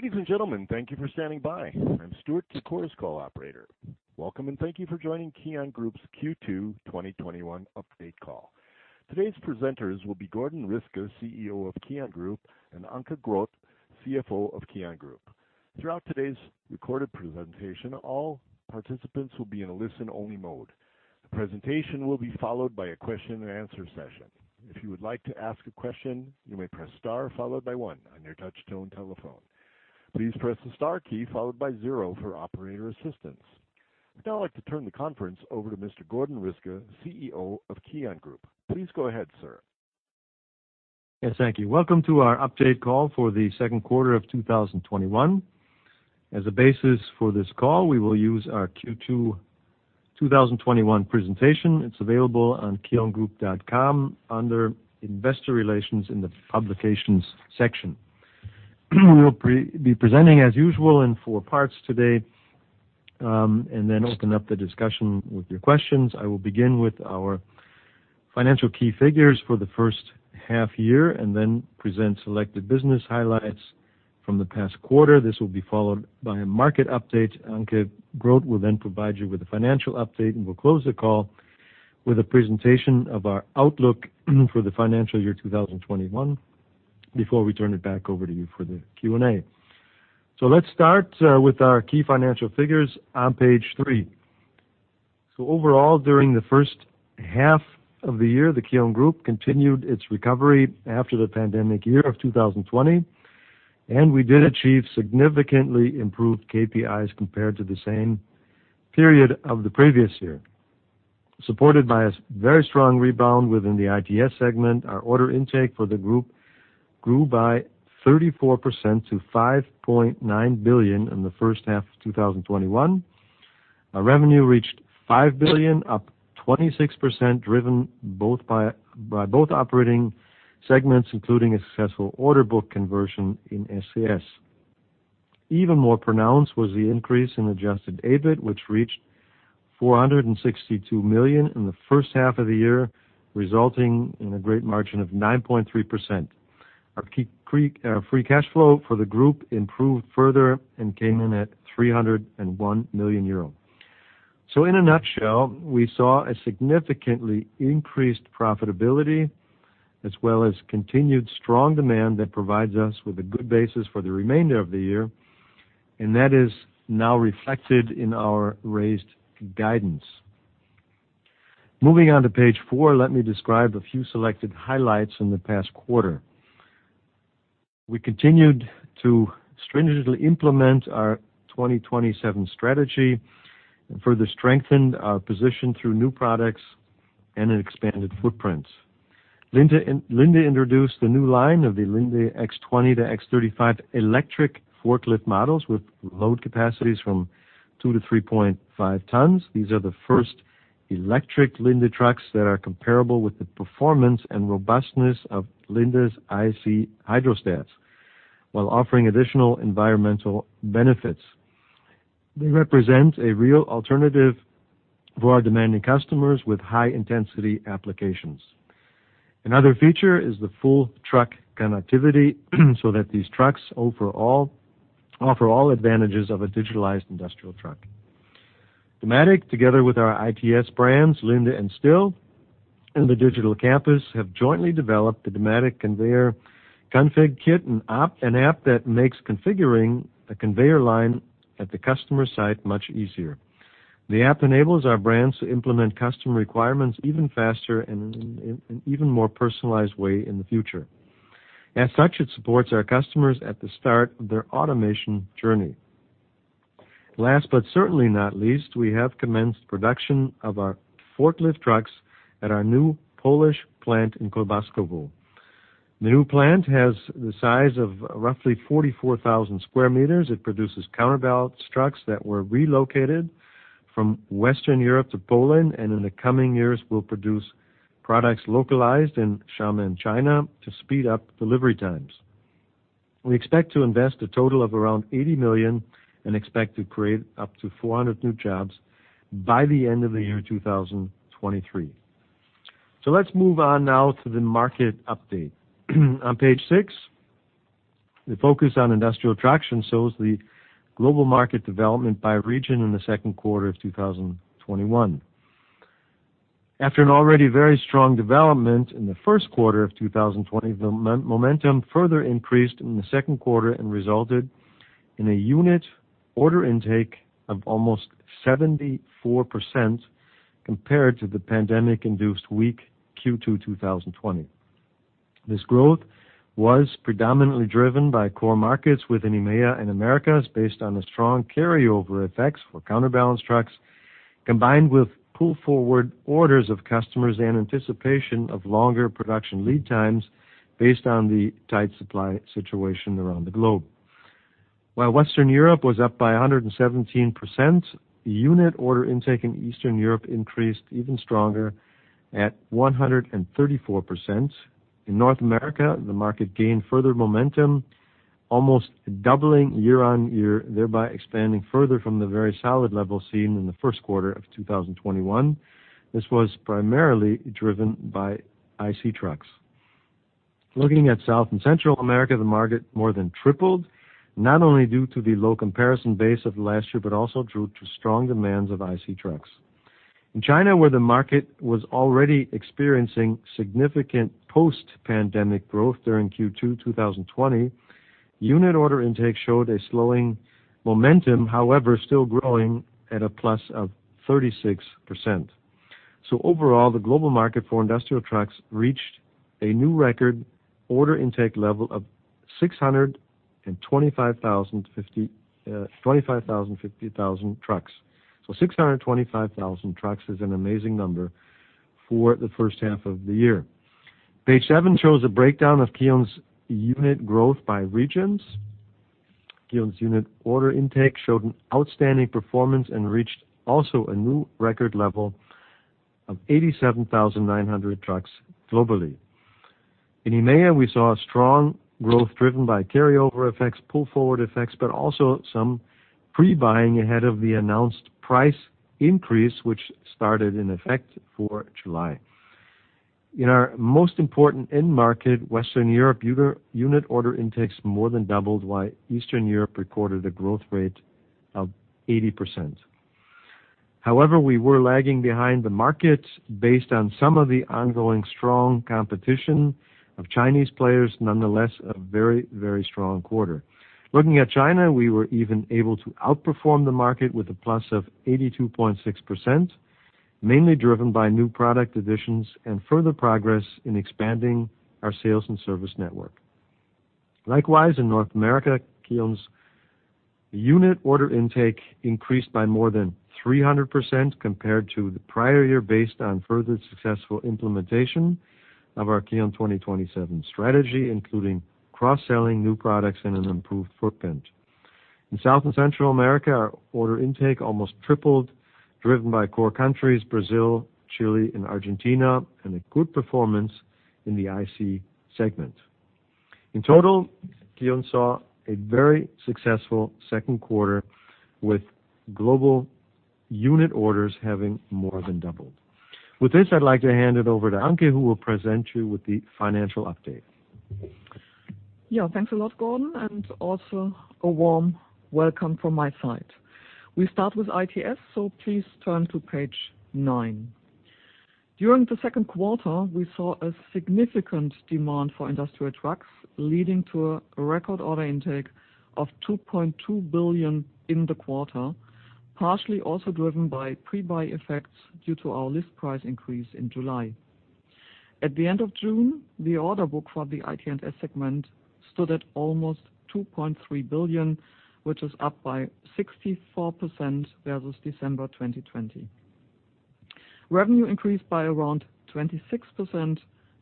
Ladies and gentlemen, thank you for standing by. I'm Stuart, the Chorus Call operator. Welcome, and thank you for joining KION Group's Q2 2021 Update Call. Today's presenters will be Gordon Riske, CEO of KION Group, and Anke Groth, CFO of KION Group. Throughout today's recorded presentation, all participants will be in a listen-only mode. The presentation will be followed by a question and answer session. If you would like to ask a question, you may press star, followed by one on your touch-tone telephone. Please press the star key followed by zero for operator assistance. I'd now like to turn the conference over to Mr. Gordon Riske, CEO of KION Group. Please go ahead, sir. Yes, thank you. Welcome to our Update Call for the Second Quarter of 2021. As a basis for this call, we will use our Q2 2021 presentation. It's available on kiongroup.com under Investor Relations in the Publications section. We'll be presenting as usual in four parts today, and then open up the discussion with your questions. I will begin with our financial key figures for the first half-year, and then present selected business highlights from the past quarter. This will be followed by a market update. Anke Groth will then provide you with a financial update, and we'll close the call with a presentation of our outlook for the financial year 2021, before we turn it back over to you for the Q&A. Let's start with our key financial figures on page three. Overall, during the first half of the year, the KION Group continued its recovery after the pandemic year of 2020, and we did achieve significantly improved KPIs compared to the same period of the previous year. Supported by a very strong rebound within the ITS segment, our order intake for the group grew by 34% to 5.9 billion in the first half of 2021. Our revenue reached 5 billion, up 26%, driven by both operating segments, including a successful order book conversion in SCS. Even more pronounced was the increase in adjusted EBIT, which reached 462 million in the first half of the year, resulting in a great margin of 9.3%. Our free cash flow for the group improved further and came in at 301 million euros. In a nutshell, we saw a significantly increased profitability, as well as continued strong demand that provides us with a good basis for the remainder of the year, and that is now reflected in our raised guidance. Moving on to page four, let me describe a few selected highlights in the past quarter. We continued to strategically implement our 2027 strategy and further strengthened our position through new products and an expanded footprint. Linde introduced a new line of the Linde X20 to X35 electric forklift models with load capacities from two to 3.5 tons. These are the first electric Linde trucks that are comparable with the performance and robustness of Linde's IC hydrostats, while offering additional environmental benefits. They represent a real alternative for our demanding customers with high-intensity applications. Another feature is the full truck connectivity, so that these trucks offer all advantages of a digitalized industrial truck. Dematic, together with our ITS brands, Linde and STILL, and the Digital Campus, have jointly developed the Dematic Conveyor ConfiKIT, an app that makes configuring a conveyor line at the customer site much easier. The app enables our brands to implement custom requirements even faster and in an even more personalized way in the future. As such, it supports our customers at the start of their automation journey. Last, but certainly not least, we have commenced production of our forklift trucks at our new Polish plant in Kołbaskowo. The new plant has the size of roughly 44,000 sq m. It produces counterbalance trucks that were relocated from Western Europe to Poland, and in the coming years will produce products localized in Xiamen, China, to speed up delivery times. We expect to invest a total of around 80 million and expect to create up to 400 new jobs by the end of the year 2023. Let's move on now to the market update. On page six, the focus on industrial trucks shows the global market development by region in the second quarter of 2021. After an already very strong development in the first quarter of 2020, the momentum further increased in the second quarter and resulted in a unit order intake of almost 74% compared to the pandemic-induced weak Q2 2020. This growth was predominantly driven by core markets within EMEA and Americas based on the strong carryover effects for counterbalance trucks, combined with pull forward orders of customers in anticipation of longer production lead times based on the tight supply situation around the globe. While Western Europe was up by 117%, the unit order intake in Eastern Europe increased even stronger at 134%. In North America, the market gained further momentum, almost doubling year-over-year, thereby expanding further from the very solid level seen in the first quarter of 2021. This was primarily driven by IC trucks. Looking at South and Central America, the market more than tripled, not only due to the low comparison base of last year, but also due to strong demands of IC trucks. In China, where the market was already experiencing significant post-pandemic growth during Q2 2020, unit order intake showed a slowing momentum, however, still growing at a plus of 36%. Overall, the global market for industrial trucks reached a new record order intake level of 625,050 trucks. 625,000 trucks is an amazing number for the first half of the year. Page seven shows a breakdown of KION's unit growth by regions. KION's unit order intake showed an outstanding performance and reached also a new record level of 87,900 trucks globally. In EMEA, we saw a strong growth driven by carryover effects, pull-forward effects, but also some pre-buying ahead of the announced price increase, which started in effect for July. In our most important end market, Western Europe, unit order intakes more than doubled, while Eastern Europe recorded a growth rate of 80%. We were lagging behind the market based on some of the ongoing strong competition of Chinese players. A very strong quarter. Looking at China, we were even able to outperform the market with a plus of 82.6%, mainly driven by new product additions and further progress in expanding our sales and service network. Likewise, in North America, KION's unit order intake increased by more than 300% compared to the prior year, based on further successful implementation of our KION 2027 strategy, including cross-selling new products and an improved footprint. In South and Central America, our order intake almost tripled, driven by core countries Brazil, Chile, and Argentina, and a good performance in the IC segment. In total, KION saw a very successful second quarter, with global unit orders having more than doubled. With this, I'd like to hand it over to Anke, who will present you with the financial update. Yeah. Thanks a lot, Gordon, and also a warm welcome from my side. We start with ITS. Please turn to page nine. During the second quarter, we saw a significant demand for industrial trucks, leading to a record order intake of 2.2 billion in the quarter, partially also driven by pre-buy effects due to our list price increase in July. At the end of June, the order book for the ITS segment stood at almost 2.3 billion, which is up by 64% versus December 2020. Revenue increased by around 26%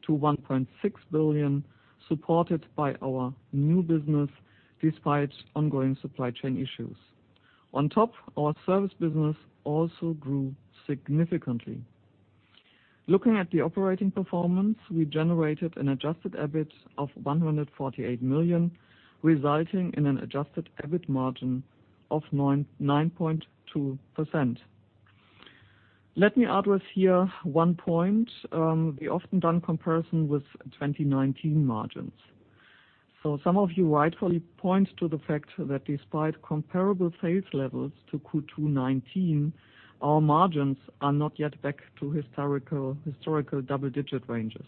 to 1.6 billion, supported by our new business despite ongoing supply chain issues. On top, our service business also grew significantly. Looking at the operating performance, we generated an adjusted EBIT of 148 million, resulting in an adjusted EBIT margin of 9.2%. Let me address here one point, the often done comparison with 2019 margins. Some of you rightfully point to the fact that despite comparable sales levels to Q2 2019, our margins are not yet back to historical double-digit ranges.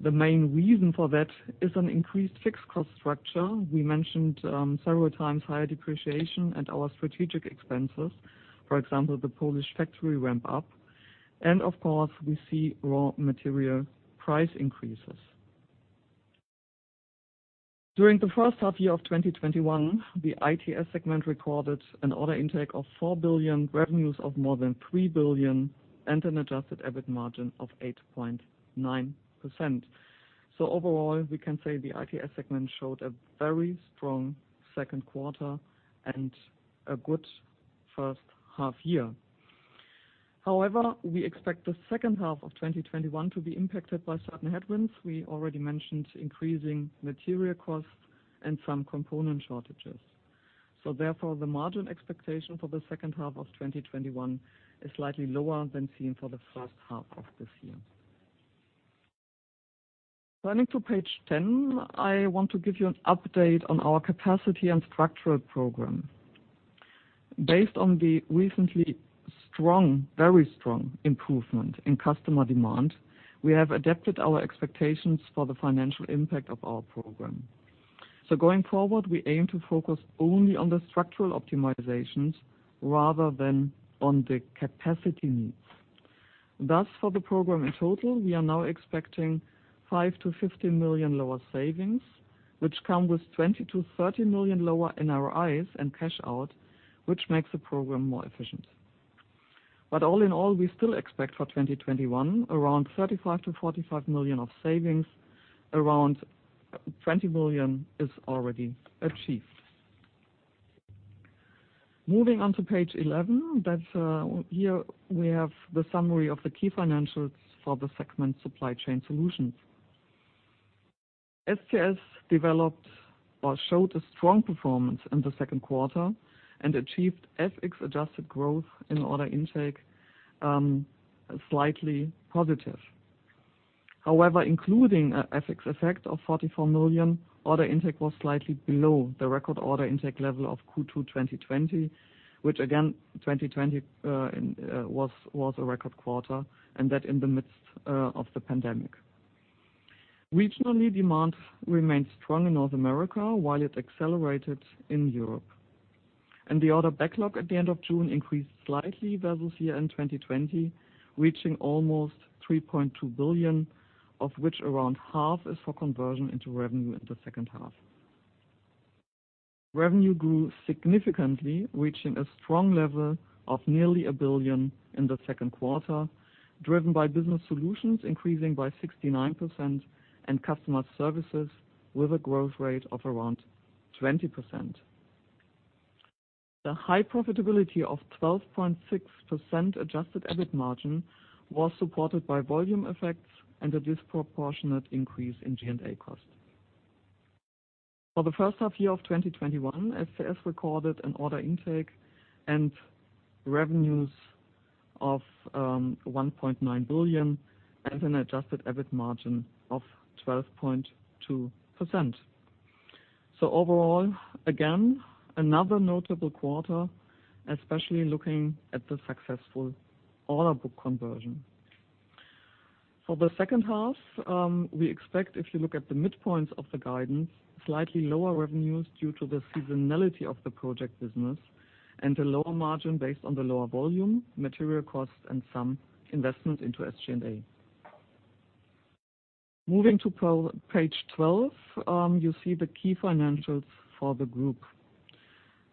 The main reason for that is an increased fixed cost structure. We mentioned several times higher depreciation and our strategic expenses. For example, the Polish factory ramp-up. Of course, we see raw material price increases. During the first half of 2021, the ITS segment recorded an order intake of 4 billion, revenues of more than 3 billion, and an adjusted EBIT margin of 8.9%. Overall, we can say the ITS segment showed a very strong second quarter and a good first half. However, we expect the second half of 2021 to be impacted by certain headwinds. We already mentioned increasing material costs and some component shortages. Therefore, the margin expectation for the second half of 2021 is slightly lower than seen for the first half of this year. Turning to page 10, I want to give you an update on our capacity and structural program. Based on the recently very strong improvement in customer demand, we have adapted our expectations for the financial impact of our program. Going forward, we aim to focus only on the structural optimizations rather than on the capacity needs. Thus, for the program in total, we are now expecting 5 million-15 million lower savings, which come with 20 million-30 million lower NRIs and cash out, which makes the program more efficient. All in all, we still expect for 2021 around 35 million-45 million of savings. Around 20 million is already achieved. Moving on to page 11. Here we have the summary of the key financials for the segment Supply Chain Solutions. SCS developed or showed a strong performance in the second quarter and achieved FX-adjusted growth in order intake, slightly positive. However, including FX effect of 44 million, order intake was slightly below the record order intake level of Q2 2020, which again, 2020 was a record quarter, and that in the midst of the pandemic. Regionally, demand remained strong in North America while it accelerated in Europe. The order backlog at the end of June increased slightly versus year-end 2020, reaching almost 3.2 billion, of which around half is for conversion into revenue in the second half. Revenue grew significantly, reaching a strong level of nearly a billion in the second quarter, driven by Business Solutions increasing by 69% and customer services with a growth rate of around 20%. The high profitability of 12.6% adjusted EBIT margin was supported by volume effects and a disproportionate increase in G&A costs. For the first half year of 2021, SCS recorded an order intake and revenues of 1.9 billion and an adjusted EBIT margin of 12.2%. Overall, again, another notable quarter, especially looking at the successful order book conversion. For the second half, we expect if you look at the midpoints of the guidance, slightly lower revenues due to the seasonality of the project business and a lower margin based on the lower volume, material cost, and some investment into SG&A. Moving to page 12, you see the key financials for the group.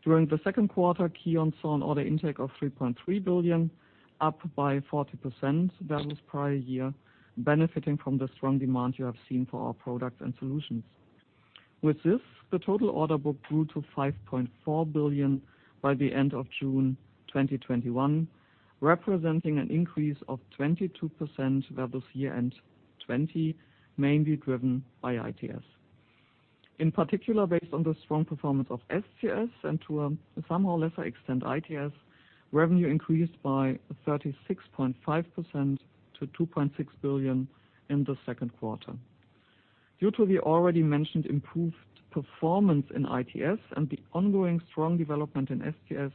During the second quarter, KION saw an order intake of 3.3 billion, up by 40% versus prior year, benefiting from the strong demand you have seen for our products and solutions. With this, the total order book grew to 5.4 billion by the end of June 2021, representing an increase of 22% versus year end 2020, mainly driven by ITS. In particular, based on the strong performance of SCS and to a somehow lesser extent, ITS, revenue increased by 36.5% to 2.6 billion in the second quarter. Due to the already mentioned improved performance in ITS and the ongoing strong development in SCS,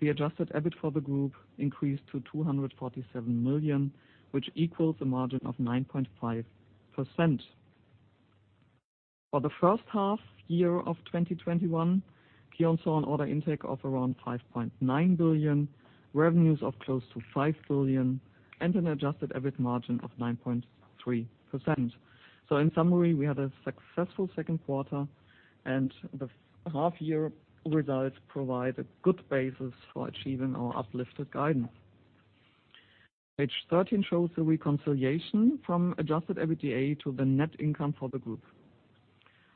the adjusted EBIT for the group increased to 247 million, which equals a margin of 9.5%. For the first half year of 2021, KION saw an order intake of around 5.9 billion, revenues of close to 5 billion, and an adjusted EBIT margin of 9.3%. In summary, we had a successful second quarter and the half year results provide a good basis for achieving our uplifted guidance. Page 13 shows the reconciliation from adjusted EBITDA to the net income for the group.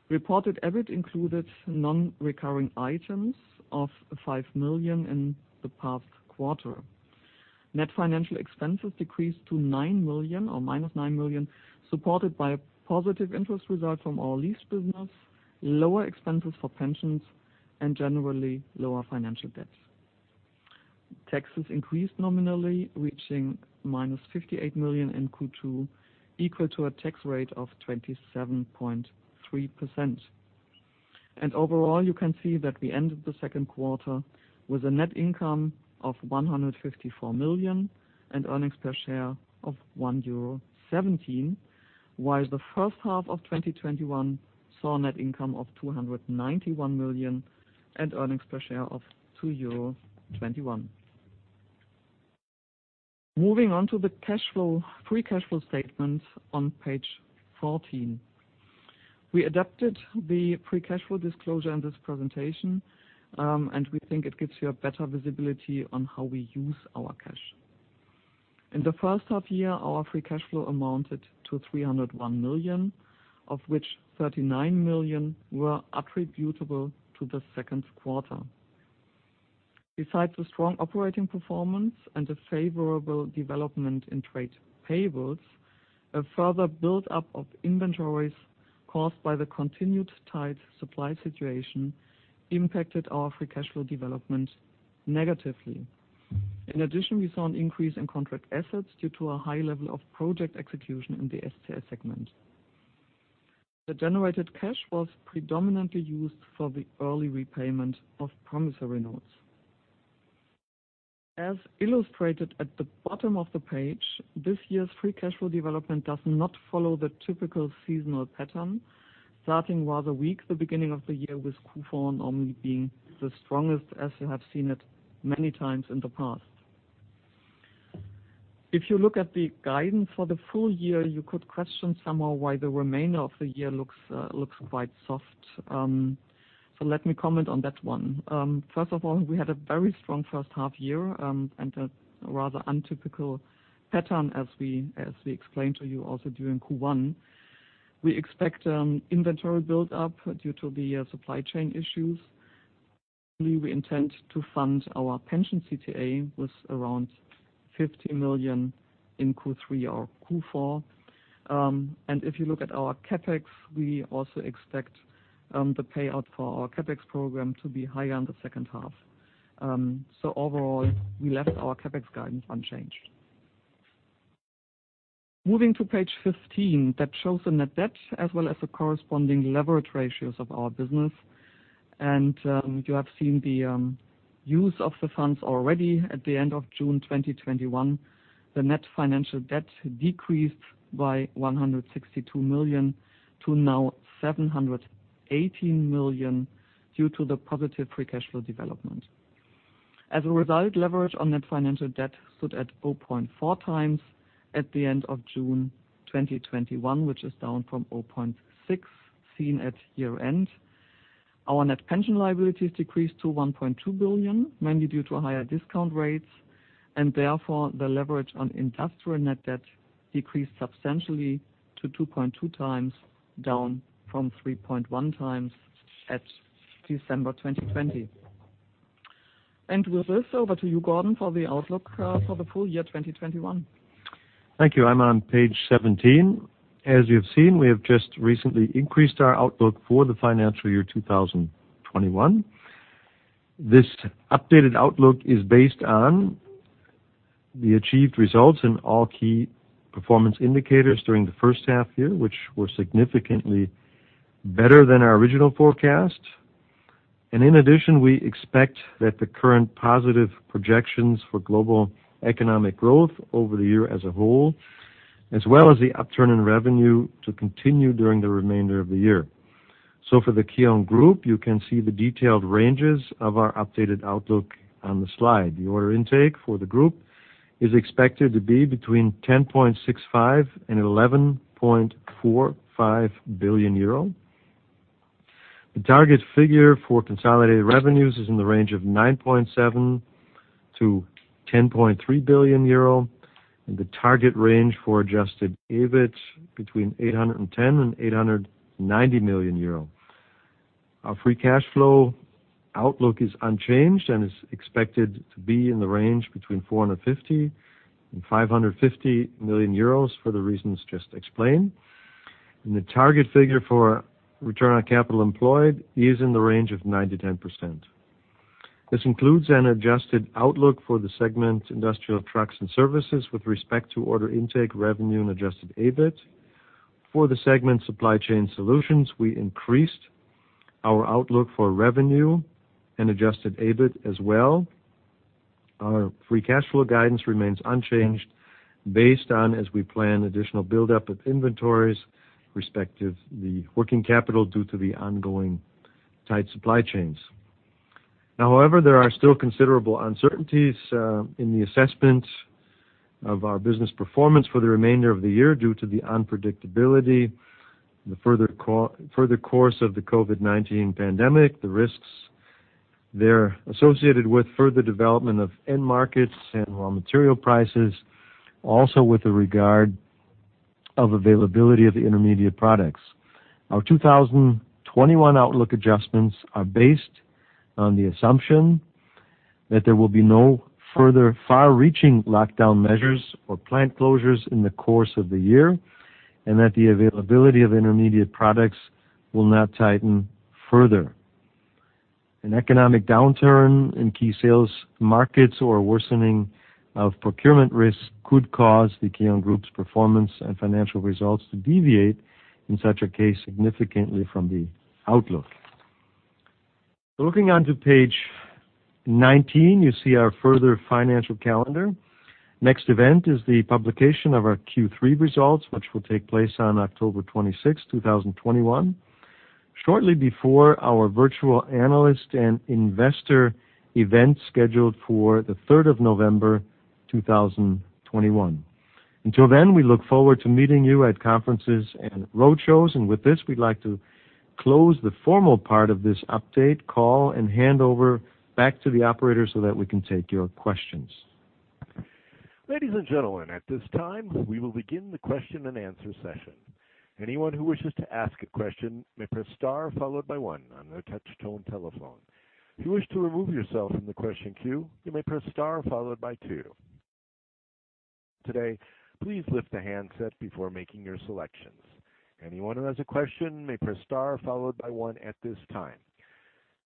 Reported EBIT included non-recurring items of 5 million in the past quarter. Net financial expenses decreased to 9 million or minus 9 million, supported by a positive interest result from our lease business, lower expenses for pensions, and generally lower financial debts. Taxes increased nominally, reaching minus 58 million in Q2, equal to a tax rate of 27.3%. Overall, you can see that we ended the second quarter with a net income of 154 million and earnings per share of 1.17 euro, while the first half of 2021 saw a net income of 291 million and earnings per share of 2.21 euro. Moving on to the free cash flow statement on page 14. We adapted the free cash flow disclosure in this presentation, and we think it gives you a better visibility on how we use our cash. In the first half year, our free cash flow amounted to 301 million, of which 39 million were attributable to the second quarter. Besides the strong operating performance and the favorable development in trade payables, a further buildup of inventories caused by the continued tight supply situation impacted our free cash flow development negatively. In addition, we saw an increase in contract assets due to a high level of project execution in the SCS segment. The generated cash was predominantly used for the early repayment of promissory notes. As illustrated at the bottom of the page, this year's free cash flow development does not follow the typical seasonal pattern, starting rather weak the beginning of the year with Q4 normally being the strongest as you have seen it many times in the past. If you look at the guidance for the full year, you could question somehow why the remainder of the year looks quite soft. Let me comment on that one. First of all, we had a very strong first half, and a rather untypical pattern as we explained to you also during Q1. We expect inventory build-up due to the supply chain issues. We intend to fund our pension CTA with around 50 million in Q3 or Q4. If you look at our CapEx, we also expect the payout for our CapEx program to be higher in the second half. Overall, we left our CapEx guidance unchanged. Moving to page 15, that shows the net debt as well as the corresponding leverage ratios of our business. You have seen the use of the funds already at the end of June 2021. The net financial debt decreased by 162 million to now 718 million due to the positive free cash flow development. As a result, leverage on net financial debt stood at 0.4x at the end of June 2021, which is down from 0.6 seen at year-end. Our net pension liabilities decreased to 1.2 billion, mainly due to higher discount rates, and therefore, the leverage on industrial net debt decreased substantially to 2.2x, down from 3.1x at December 2020. With this, over to you, Gordon, for the outlook for the full year 2021. Thank you. I am on page 17. As you have seen, we have just recently increased our outlook for the financial year 2021. This updated outlook is based on the achieved results in all key performance indicators during the first half year, which were significantly better than our original forecast. In addition, we expect that the current positive projections for global economic growth over the year as a whole, as well as the upturn in revenue to continue during the remainder of the year. For the KION Group, you can see the detailed ranges of our updated outlook on the slide. The order intake for the group is expected to be between 10.65 billion and 11.45 billion euro. The target figure for consolidated revenues is in the range of 9.7 billion-10.3 billion euro, and the target range for adjusted EBIT between 810 million and 890 million euro. Our free cash flow outlook is unchanged and is expected to be in the range between 450 million and 550 million euros for the reasons just explained. The target figure for return on capital employed is in the range of 9%-10%. This includes an adjusted outlook for the segment Industrial Trucks & Services with respect to order intake revenue and adjusted EBIT. For the segment Supply Chain Solutions, we increased our outlook for revenue and adjusted EBIT as well. Our free cash flow guidance remains unchanged based on as we plan additional buildup of inventories, respective the working capital due to the ongoing tight supply chains. Now, however, there are still considerable uncertainties in the assessment of our business performance for the remainder of the year due to the unpredictability, the further course of the COVID-19 pandemic, the risks there associated with further development of end markets and raw material prices, also with regard of availability of the intermediate products. Our 2021 outlook adjustments are based on the assumption that there will be no further far-reaching lockdown measures or plant closures in the course of the year, and that the availability of intermediate products will not tighten further. An economic downturn in key sales markets or worsening of procurement risks could cause the KION Group's performance and financial results to deviate, in such a case, significantly from the outlook. Looking onto page 19, you see our further financial calendar. Next event is the publication of our Q3 results, which will take place on October 26th, 2021, shortly before our virtual analyst and investor event scheduled for the November 3rd, 2021. Until then, we look forward to meeting you at conferences and roadshows. With this, we'd like to close the formal part of this update call and hand over back to the operator so that we can take your questions. Ladies and gentlemen, at this time, we will begin the question and answer session. Anyone who wishes to ask a question may press star followed by one on their touch-tone telephone. If you wish to remove yourself from the question queue, you may press star followed by two. Today, please lift the handset before making your selections. Anyone who has a question may press star followed by one at this time.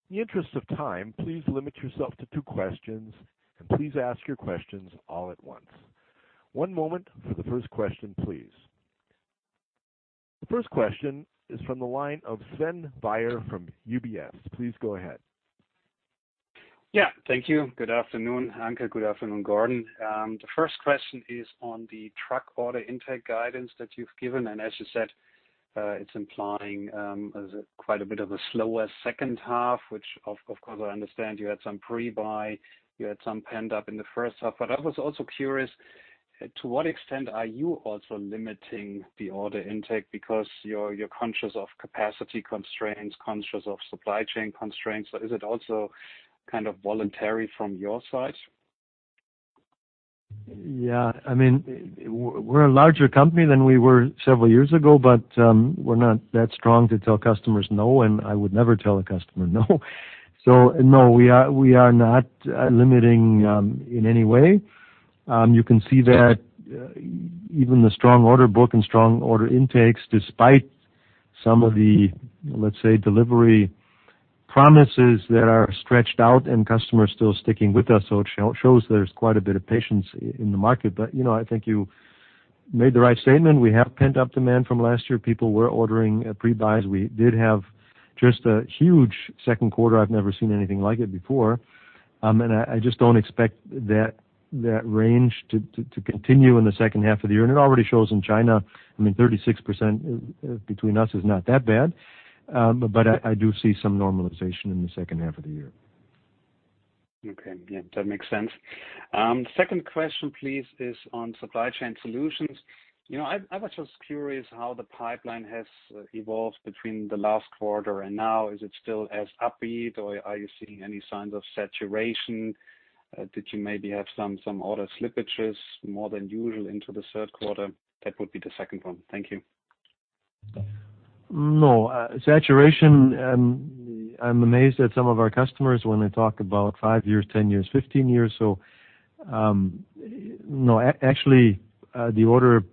In the interest of time, please limit yourself to two questions, and please ask your questions all at once. One moment for the first question, please. The first question is from the line of Sven Weier from UBS. Please go ahead. Yeah. Thank you. Good afternoon, Anke. Good afternoon, Gordon. The first question is on the truck order intake guidance that you've given. As you said, it's implying there's quite a bit of a slower second half, which of course, I understand you had some pre-buy, you had some pent up in the first half. I was also curious, to what extent are you also limiting the order intake because you're conscious of capacity constraints, conscious of supply chain constraints? Is it also kind of voluntary from your side? Yeah. We're a larger company than we were several years ago, but we're not that strong to tell customers no, and I would never tell a customer no. No, we are not limiting in any way. You can see that even the strong order book and strong order intakes, despite some of the, let's say, delivery promises that are stretched out and customers still sticking with us. It shows there's quite a bit of patience in the market. I think you made the right statement. We have pent-up demand from last year. People were ordering pre-buys. We did have just a huge second quarter. I've never seen anything like it before. I just don't expect that range to continue in the second half of the year. It already shows in China, 36% between us is not that bad. I do see some normalization in the second half of the year. Okay. Yeah, that makes sense. second question, please, is on Supply Chain Solutions. I was just curious how the pipeline has evolved between the last quarter and now. Is it still as upbeat or are you seeing any signs of saturation? Did you maybe have some order slippages more than usual into the third quarter? That would be the second one. Thank you. No. Saturation, I'm amazed at some of our customers when they talk about five years, 10 years, 15 years. No, actually, the order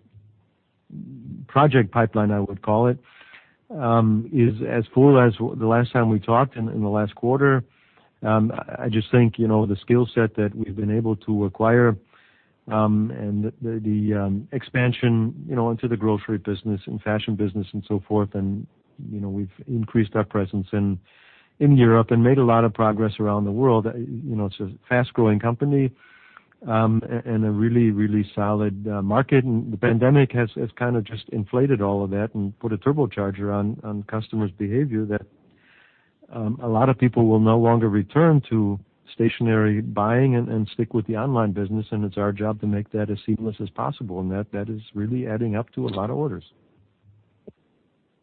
project pipeline, I would call it, is as full as the last time we talked in the last quarter. I just think, the skill set that we've been able to acquire, and the expansion into the grocery business and fashion business and so forth, and we've increased our presence in Europe and made a lot of progress around the world. It's a fast-growing company, and a really solid market. The pandemic has kind of just inflated all of that and put a turbocharger on customers' behavior that a lot of people will no longer return to stationary buying and stick with the online business, and it's our job to make that as seamless as possible. That is really adding up to a lot of orders.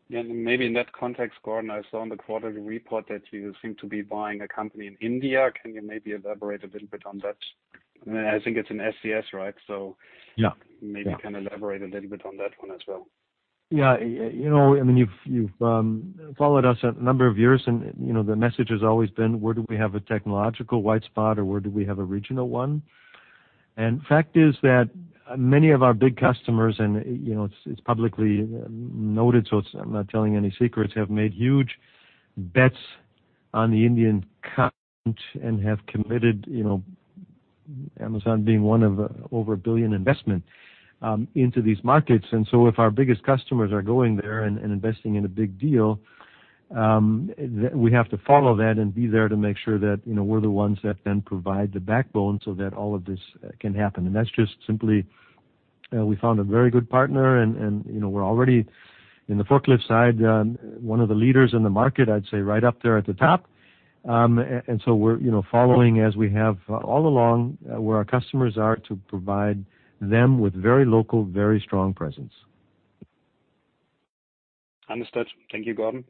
Yeah. Maybe in that context, Gordon, I saw in the quarterly report that you seem to be buying a company in India. Can you maybe elaborate a little bit on that? I think it's an SCS, right? Yeah. Maybe you can elaborate a little bit on that one as well. Yeah. You've followed us a number of years, and the message has always been, where do we have a technological white spot or where do we have a regional one? Fact is that many of our big customers, and it's publicly noted, so I'm not telling any secrets, have made huge bets on the Indian continent and have committed, Amazon being one of over a billion investment, into these markets. If our biggest customers are going there and investing in a big deal, we have to follow that and be there to make sure that we're the ones that then provide the backbone so that all of this can happen. That's just simply, we found a very good partner and we're already, in the forklift side, one of the leaders in the market, I'd say right up there at the top. We're following as we have all along, where our customers are to provide them with very local, very strong presence. Understood. Thank you, Gordon.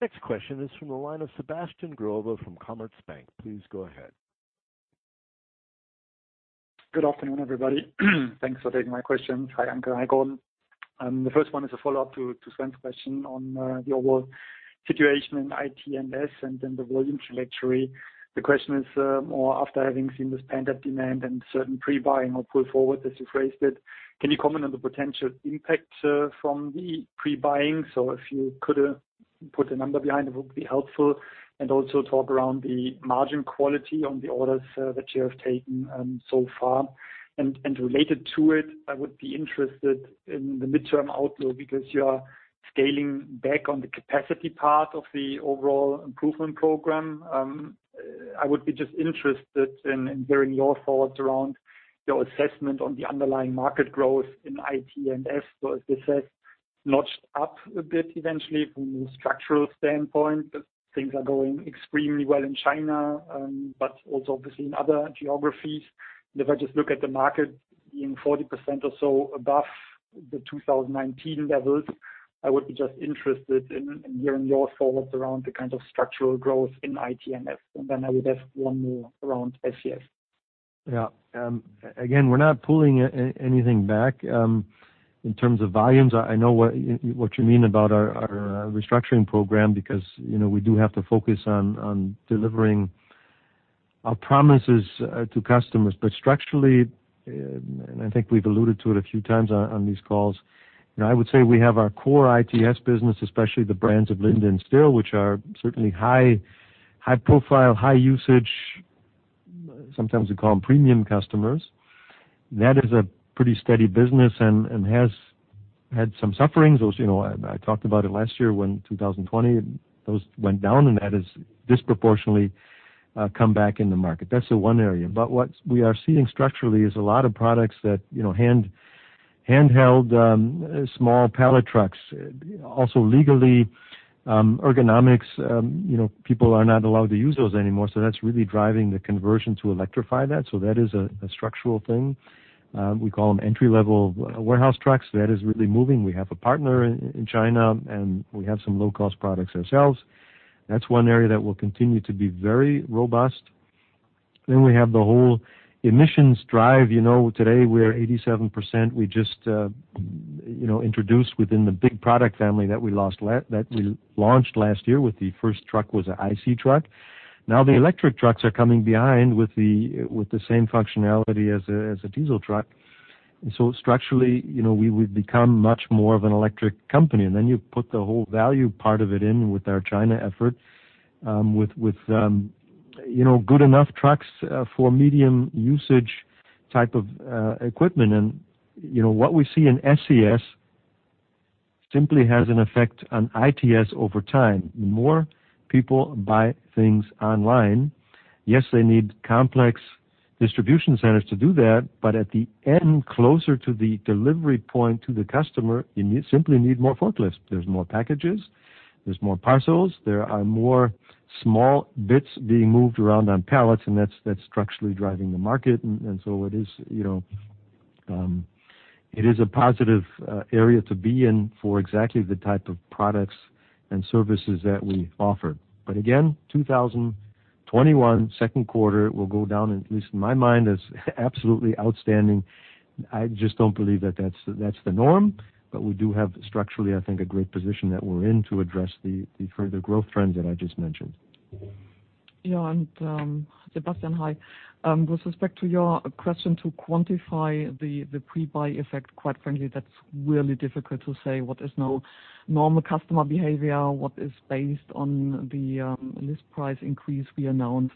Next question is from the line of Sebastian Growe from Commerzbank. Please go ahead. Good afternoon, everybody. Thanks for taking my questions. Hi, Anke. Hi, Gordon. The first one is a follow-up to Sven's question on the overall situation in ITS and then the volume trajectory. The question is, more after having seen this pent-up demand and certain pre-buying or pull forward, as you phrased it, can you comment on the potential impact from the pre-buying? If you could put a number behind it would be helpful. Also talk around the margin quality on the orders that you have taken so far. Related to it, I would be interested in the midterm outlook because you are scaling back on the capacity part of the overall improvement program. I would be just interested in hearing your thoughts around your assessment on the underlying market growth in ITS. If this has notched up a bit eventually from a structural standpoint, things are going extremely well in China, but also obviously in other geographies. If I just look at the market being 40% or so above the 2019 levels, I would be just interested in hearing your thoughts around the kind of structural growth in ITS. Then I would ask one more around SCS. Yeah. Again, we're not pulling anything back. In terms of volumes, I know what you mean about our restructuring program because we do have to focus on delivering our promises to customers. Structurally, and I think we've alluded to it a few times on these calls, I would say we have our core ITS business, especially the brands of Linde and STILL, which are certainly high profile, high usage. Sometimes we call them premium customers. That is a pretty steady business and has had some sufferings. I talked about it last year when 2020, those went down, and that has disproportionately come back in the market. That's the one area. What we are seeing structurally is a lot of products that, handheld, small pallet trucks, also legally, ergonomics. People are not allowed to use those anymore, so that's really driving the conversion to electrify that. That is a structural thing. We call them entry-level warehouse trucks. That is really moving. We have a partner in China, and we have some low-cost products ourselves. That's one area that will continue to be very robust. We have the whole emissions drive. Today, we're 87%. We just introduced within the big product family that we launched last year, with the first truck was an IC truck. The electric trucks are coming behind with the same functionality as a diesel truck. Structurally, we would become much more of an electric company. You put the whole value part of it in with our China effort, with good enough trucks for medium usage type of equipment. What we see in SCS simply has an effect on ITS over time. The more people buy things online, yes, they need complex distribution centers to do that, but at the end, closer to the delivery point to the customer, you simply need more forklifts. There is more packages, there is more parcels, there are more small bits being moved around on pallets, and that is structurally driving the market. It is a positive area to be in for exactly the type of products and services that we offer. Again, 2021, second quarter will go down, at least in my mind, as absolutely outstanding. I just do not believe that is the norm. We do have structurally, I think, a great position that we are in to address the further growth trends that I just mentioned. Sebastian, hi. With respect to your question to quantify the pre-buy effect, quite frankly, that's really difficult to say what is now normal customer behavior, what is based on the list price increase we announced.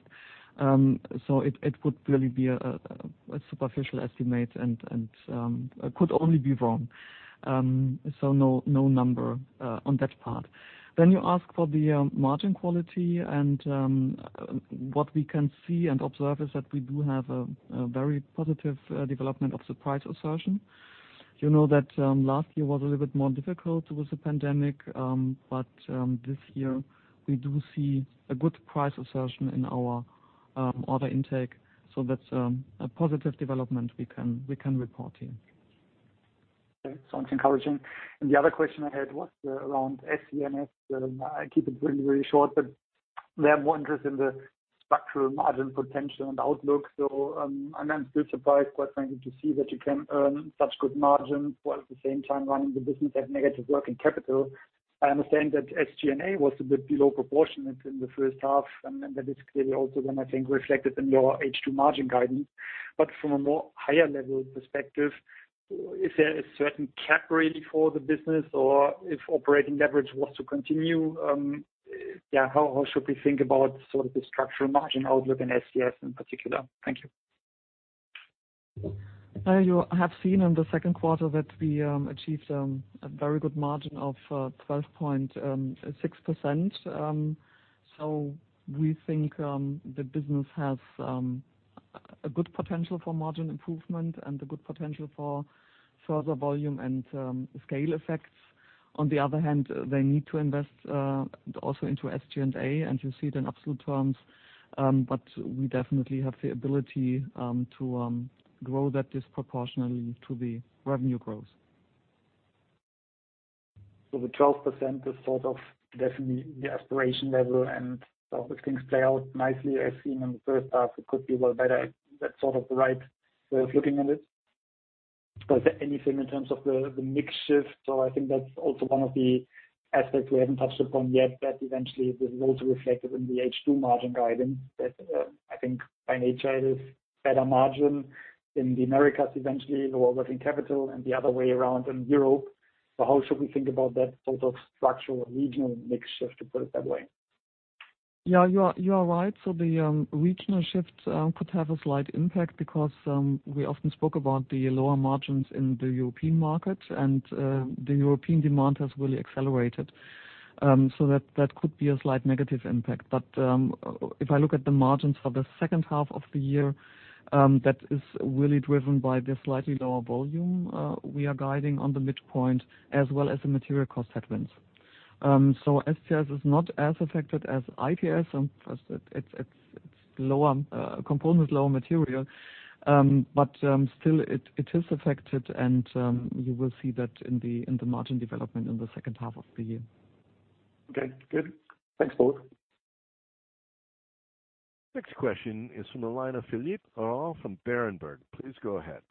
It would really be a superficial estimate and could only be wrong. No number on that part. You ask for the margin quality and what we can see and observe is that we do have a very positive development of the price assertion. You know that last year was a little bit more difficult with the pandemic. This year, we do see a good price assertion in our order intake. That's a positive development we can report here. Okay. Sounds encouraging. The other question I had was around SCS. I keep it really short, but we have more interest in the structural margin potential and outlook. I'm still surprised, quite frankly, to see that you can earn such good margin while at the same time running the business at negative working capital. I understand that SG&A was a bit below proportionate in the first half, and that is clearly also then I think reflected in your H2 margin guidance. From a more higher level perspective, is there a certain cap, really, for the business or if operating leverage was to continue, how should we think about sort of the structural margin outlook in SCS in particular? Thank you. You have seen in the second quarter that we achieved a very good margin of 12.6%. We think the business has a good potential for margin improvement and a good potential for further volume and scale effects. On the other hand, they need to invest also into SG&A, and you see it in absolute terms. We definitely have the ability to grow that disproportionally to the revenue growth. The 12% is sort of definitely the aspiration level, and if things play out nicely as seen in the first half, it could be well better. That's sort of the right way of looking at it. Is there anything in terms of the mix shift? I think that's also one of the aspects we haven't touched upon yet, that eventually this is also reflected in the H2 margin guidance, that I think by nature it is better margin in the Americas, eventually lower working capital and the other way around in Europe. How should we think about that sort of structural regional mix shift, to put it that way? Yeah, you are right. The regional shift could have a slight impact because we often spoke about the lower margins in the European market and the European demand has really accelerated. That could be a slight negative impact. If I look at the margins for the second half of the year, that is really driven by the slightly lower volume we are guiding on the midpoint as well as the material cost headwinds. SCS is not as affected as ITS. First, it's component, lower material. Still it is affected and you will see that in the margin development in the second half of the year. Okay, good. Thanks both. Next question is from the line of Philippe Houchois from Jefferies. Please go ahead.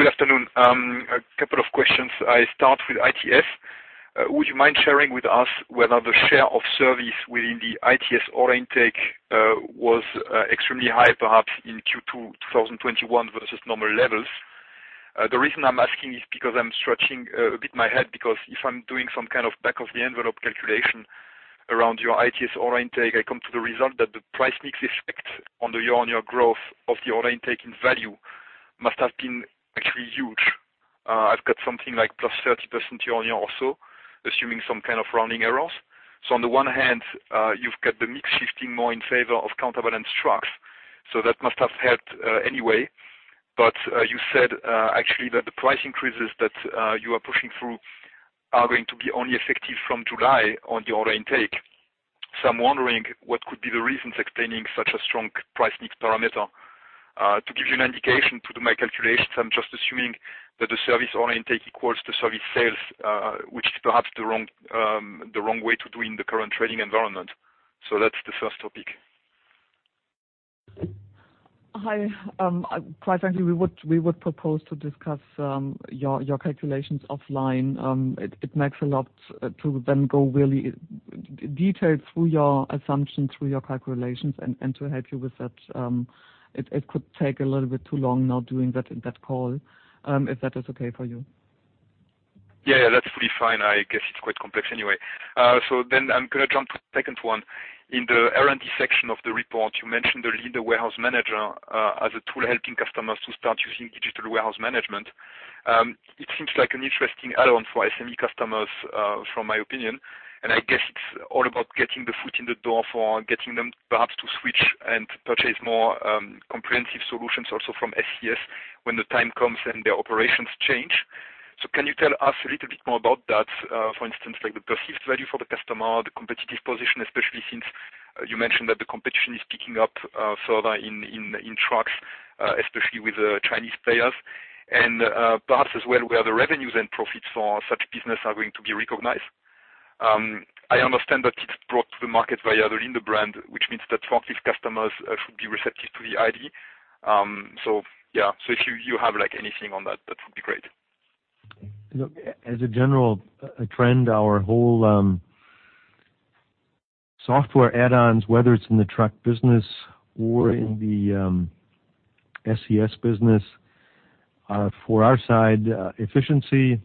Good afternoon. A couple of questions. I start with ITS. Would you mind sharing with us whether the share of service within the ITS order intake was extremely high perhaps in Q2 2021 versus normal levels? The reason I'm asking is because I'm stretching a bit my head because if I'm doing some kind of back of the envelope calculation around your ITS order intake, I come to the result that the price mix effect on the year-on-year growth of the order intake in value must have been actually huge. I've got something like +30% year-on-year or so, assuming some kind of rounding errors. On the one hand, you've got the mix shifting more in favor of counterbalance trucks. That must have helped anyway. You said actually that the price increases that you are pushing through are going to be only effective from July on the order intake. I'm wondering what could be the reasons explaining such a strong price-mix parameter. To give you an indication, to do my calculations, I'm just assuming that the service intake equals the service sales, which is perhaps the wrong way to do in the current trading environment. That's the first topic. Hi. Quite frankly, we would propose to discuss your calculations offline. It makes a lot to then go really detailed through your assumptions, through your calculations, and to help you with that. It could take a little bit too long now doing that in that call. If that is okay for you. Yeah, that's fully fine. I guess it's quite complex anyway. I'm going to jump to the second one. In the R&D section of the report, you mentioned the Linde Warehouse Manager as a tool helping customers to start using digital warehouse management. It seems like an interesting add-on for SME customers from my opinion, and I guess it's all about getting the foot in the door for getting them perhaps to switch and purchase more comprehensive solutions also from SCS when the time comes and their operations change. Can you tell us a little bit more about that? For instance, like the perceived value for the customer, the competitive position, especially since you mentioned that the competition is picking up further in trucks, especially with the Chinese players. Perhaps as well, where the revenues and profits for such business are going to be recognized. I understand that it is brought to the market via the Linde brand, which means that forklift customers should be receptive to the idea. Yeah. If you have anything on that would be great. Look, as a general trend, our whole software add-ons, whether it's in the truck business or in the SCS business, for our side, efficiency,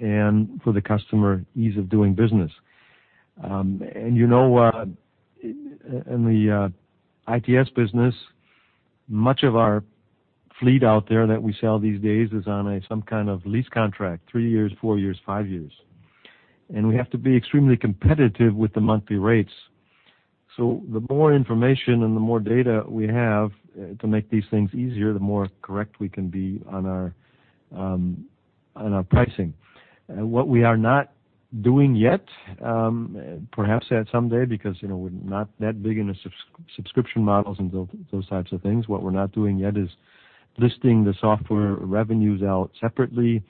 and for the customer, ease of doing business. In the ITS business, much of our fleet out there that we sell these days is on some kind of lease contract, three years, four years, five years. The more information and the more data we have to make these things easier, the more correct we can be on our pricing. What we are not doing yet, perhaps at some day, because we're not that big in the subscription models and those types of things. What we're not doing yet is listing the software revenues out separately.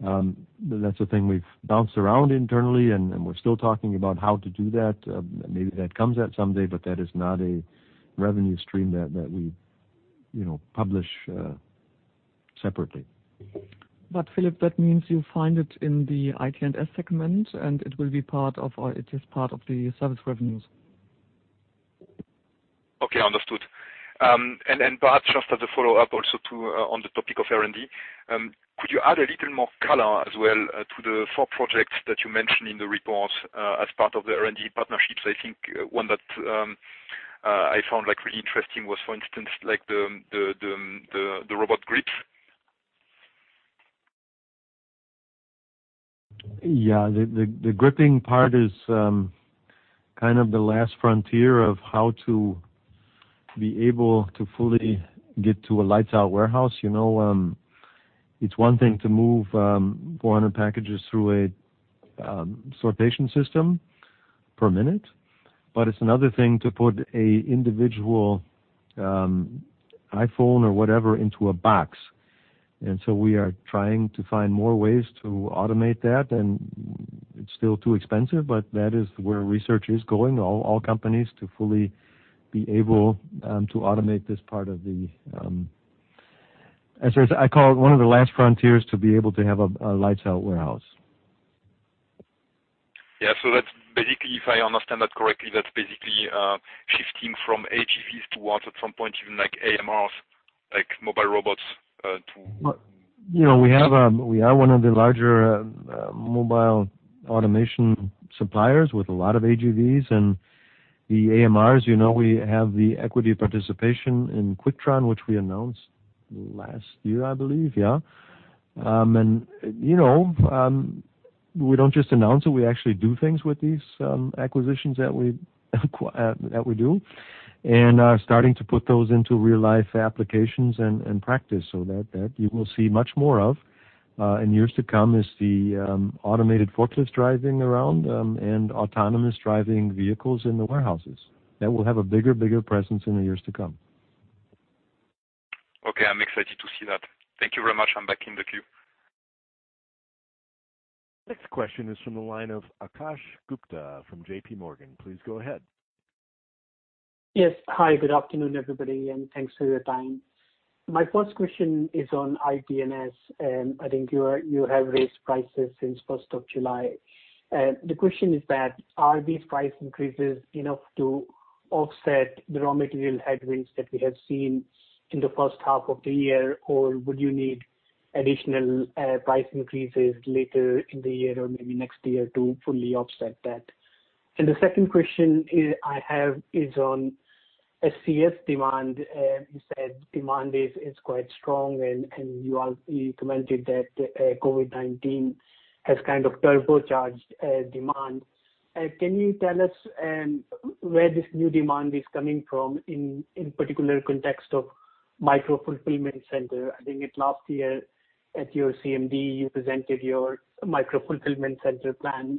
That's a thing we've bounced around internally, and we're still talking about how to do that. Maybe that comes at some day, but that is not a revenue stream that we publish separately. Philippe, that means you'll find it in the ITS segment, and it is part of the service revenues. Okay, understood. Perhaps just as a follow-up also too on the topic of R&D, could you add a little more color as well to the four projects that you mentioned in the report as part of the R&D partnerships? I think one that I found really interesting was, for instance, the robot grips. Yeah. The gripping part is kind of the last frontier of how to be able to fully get to a lights-out warehouse. It's one thing to move 400 packages through a sortation system per minute, but it's another thing to put an individual iPhone or whatever into a box. We are trying to find more ways to automate that, and it's still too expensive, but that is where research is going. All companies to fully be able to automate this part of the as I call it, one of the last frontiers to be able to have a lights-out warehouse. Yeah. That's basically, if I understand that correctly, that's basically shifting from AGVs to what, at some point, even like AMRs, like mobile robots? We are one of the larger mobile automation suppliers with a lot of AGVs and the AMRs. We have the equity participation in Quicktron, which we announced last year, I believe. Yeah. We don't just announce it. We actually do things with these acquisitions that we do. Are starting to put those into real-life applications and practice so that you will see much more of in years to come is the automated forklift driving around, and autonomous driving vehicles in the warehouses. That will have a bigger presence in the years to come. Okay, I'm excited to see that. Thank you very much. I'm back in the queue. Next question is from the line of Akash Gupta from JPMorgan. Please go ahead. Yes. Hi, good afternoon, everybody, and thanks for your time. My first question is on ITS. I think you have raised prices since July 1st. The question is, are these price increases enough to offset the raw material headwinds that we have seen in the first half of the year, or would you need additional price increases later in the year or maybe next year to fully offset that? The second question I have is on SCS demand. You said demand is quite strong and you commented that COVID-19 has kind of turbocharged demand. Can you tell us where this new demand is coming from, in particular context of micro-fulfillment center? I think last year at your CMD, you presented your micro-fulfillment center plan.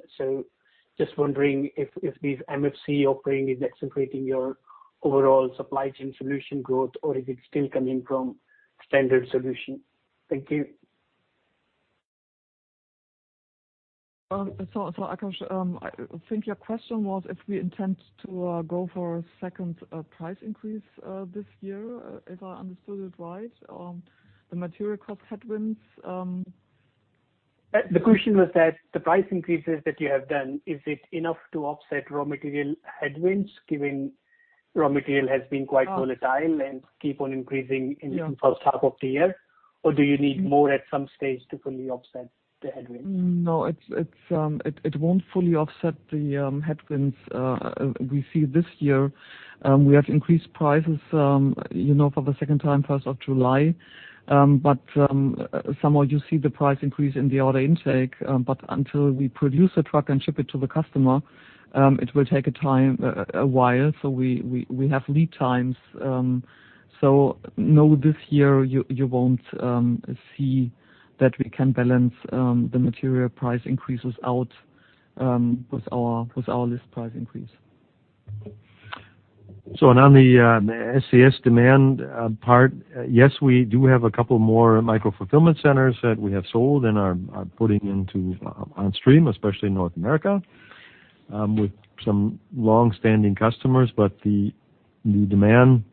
Just wondering if this MFC offering is accelerating your overall Supply Chain Solutions growth, or is it still coming from standard solutions? Thank you. Akash, I think your question was if we intend to go for a second price increase this year, if I understood it right, the material cost headwinds- The question was that the price increases that you have done, is it enough to offset raw material headwinds, given raw material has been quite volatile and keep on increasing in the first half of the year? Or do you need more at some stage to fully offset the headwinds? No, it won't fully offset the headwinds we see this year. We have increased prices for the second time of July 1st. Somehow you see the price increase in the order intake. Until we produce a truck and ship it to the customer, it will take a while. We have lead times. No, this year, you won't see that we can balance the material price increases out with our list price increase. On the SCS demand part, yes, we do have a couple more micro-fulfillment centers that we have sold and are putting on stream, especially in North America, with some longstanding customers. The demand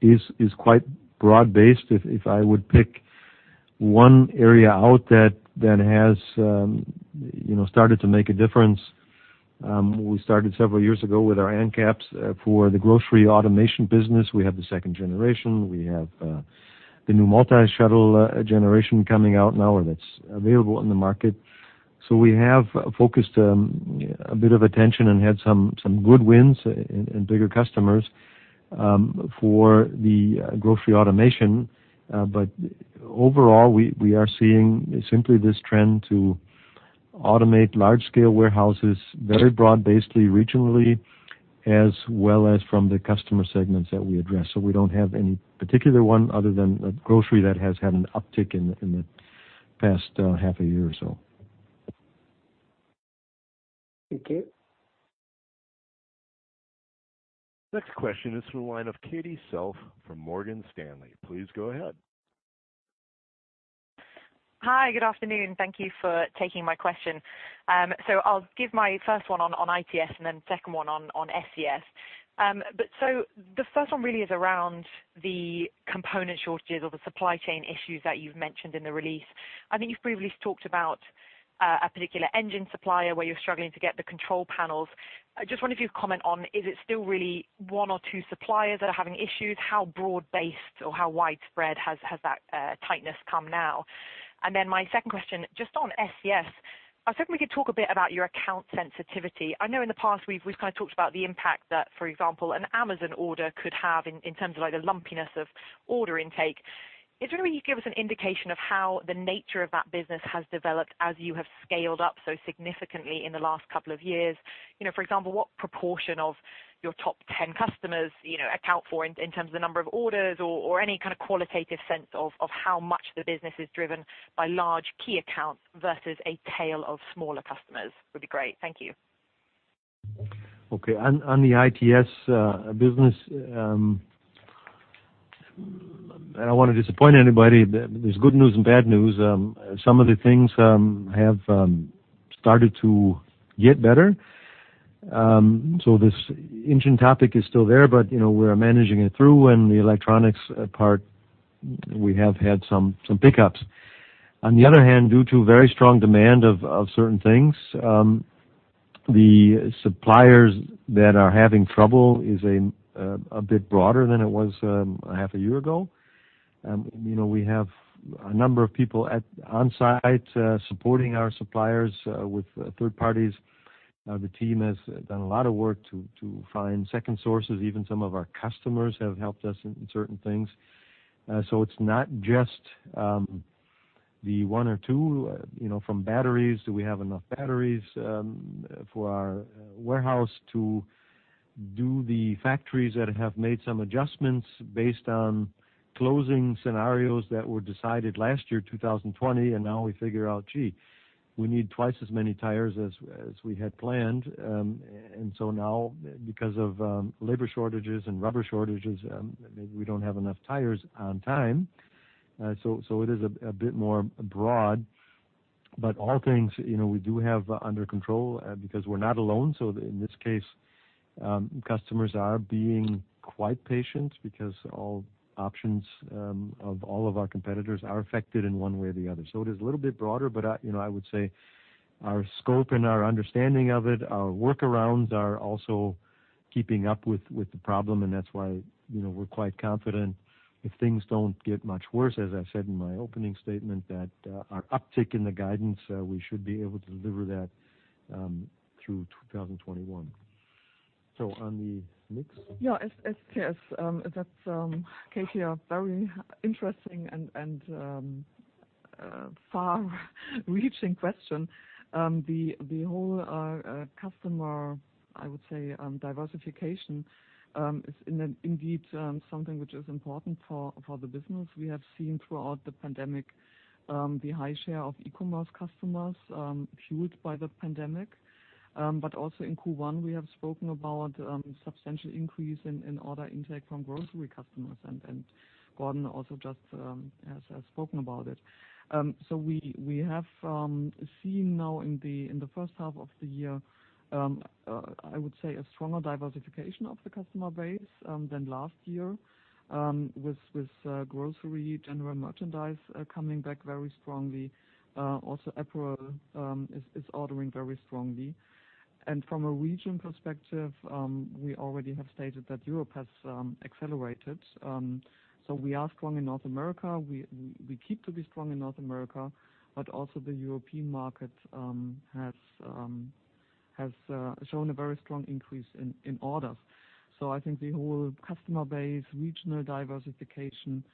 is quite broad-based. If I would pick one area out that has started to make a difference, we started several years ago with our end caps for the grocery automation business. We have the second generation. We have the new Multishuttle generation coming out now that's available in the market. We have focused a bit of attention and had some good wins and bigger customers for the grocery automation. Overall, we are seeing simply this trend to automate large-scale warehouses, very broad-based regionally, as well as from the customer segments that we address. We don't have any particular one other than grocery that has had an uptick in the past half a year or so. Thank you. Next question is from the line of Katie Self from Morgan Stanley. Please go ahead. Hi, good afternoon. Thank you for taking my question. I'll give my first one on ITS and then second one on SCS. The first one really is around the component shortages or the supply chain issues that you've mentioned in the release. I think you've previously talked about a particular engine supplier where you're struggling to get the control panels. I just wonder if you could comment on, is it still really one or two suppliers that are having issues? How broad based or how widespread has that tightness come now? My second question, just on SCS. I was hoping we could talk a bit about your account sensitivity. I know in the past, we've talked about the impact that, for example, an Amazon order could have in terms of the lumpiness of order intake. I was wondering if you could give us an indication of how the nature of that business has developed as you have scaled up so significantly in the last couple of years. For example, what proportion of your top 10 customers account for in terms of the number of orders or any kind of qualitative sense of how much the business is driven by large key accounts versus a tail of smaller customers would be great. Thank you. On the ITS business, I don't want to disappoint anybody. There's good news and bad news. Some of the things have started to get better. This engine topic is still there, but we're managing it through, and the electronics part, we have had some pickups. On the other hand, due to very strong demand of certain things, the suppliers that are having trouble is a bit broader than it was half a year ago. We have a number of people on-site supporting our suppliers with third parties. The team has done a lot of work to find second sources. Even some of our customers have helped us in certain things. It's not just the one or two from batteries. Do we have enough batteries for our warehouse to do the factories that have made some adjustments based on closing scenarios that were decided last year, 2020, and now we figure out, we need twice as many tires as we had planned. Now because of labor shortages and rubber shortages, maybe we don't have enough tires on time. It is a bit more broad, but all things we do have under control because we're not alone. In this case, customers are being quite patient because all options of all of our competitors are affected in one way or the other. It is a little bit broader, but I would say our scope and our understanding of it, our workarounds are also keeping up with the problem, and that's why we're quite confident. If things don't get much worse, as I said in my opening statement, that our uptick in the guidance, we should be able to deliver that through 2021. On the mix? Yes, Katie, very interesting and far-reaching question. The whole customer, I would say, diversification, is indeed something which is important for the business. We have seen throughout the pandemic, the high share of e-commerce customers, fueled by the pandemic. Also in Q1, we have spoken about substantial increase in order intake from grocery customers and Gordon Riske also just has spoken about it. We have seen now in the first half of the year, I would say a stronger diversification of the customer base, than last year, with grocery, general merchandise, coming back very strongly. Also apparel is ordering very strongly. From a region perspective, we already have stated that Europe has accelerated. We are strong in North America. We keep to be strong in North America, but also the European market has shown a very strong increase in orders. I think the whole customer base, regional diversification,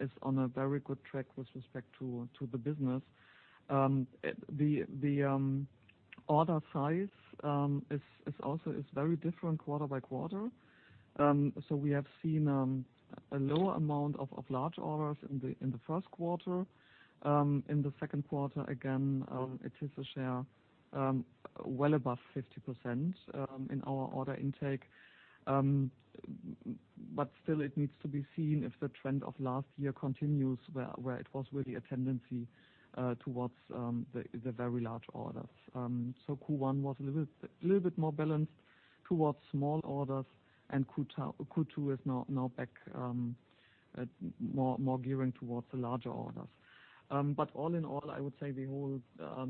is on a very good track with respect to the business. The order size is also very different quarter by quarter. We have seen a lower amount of large orders in the first quarter. In the second quarter, again, it is a share well above 50% in our order intake. Still it needs to be seen if the trend of last year continues where it was really a tendency towards the very large orders. Q1 was a little bit more balanced towards small orders and Q2 is now back more gearing towards the larger orders. All in all, I would say the whole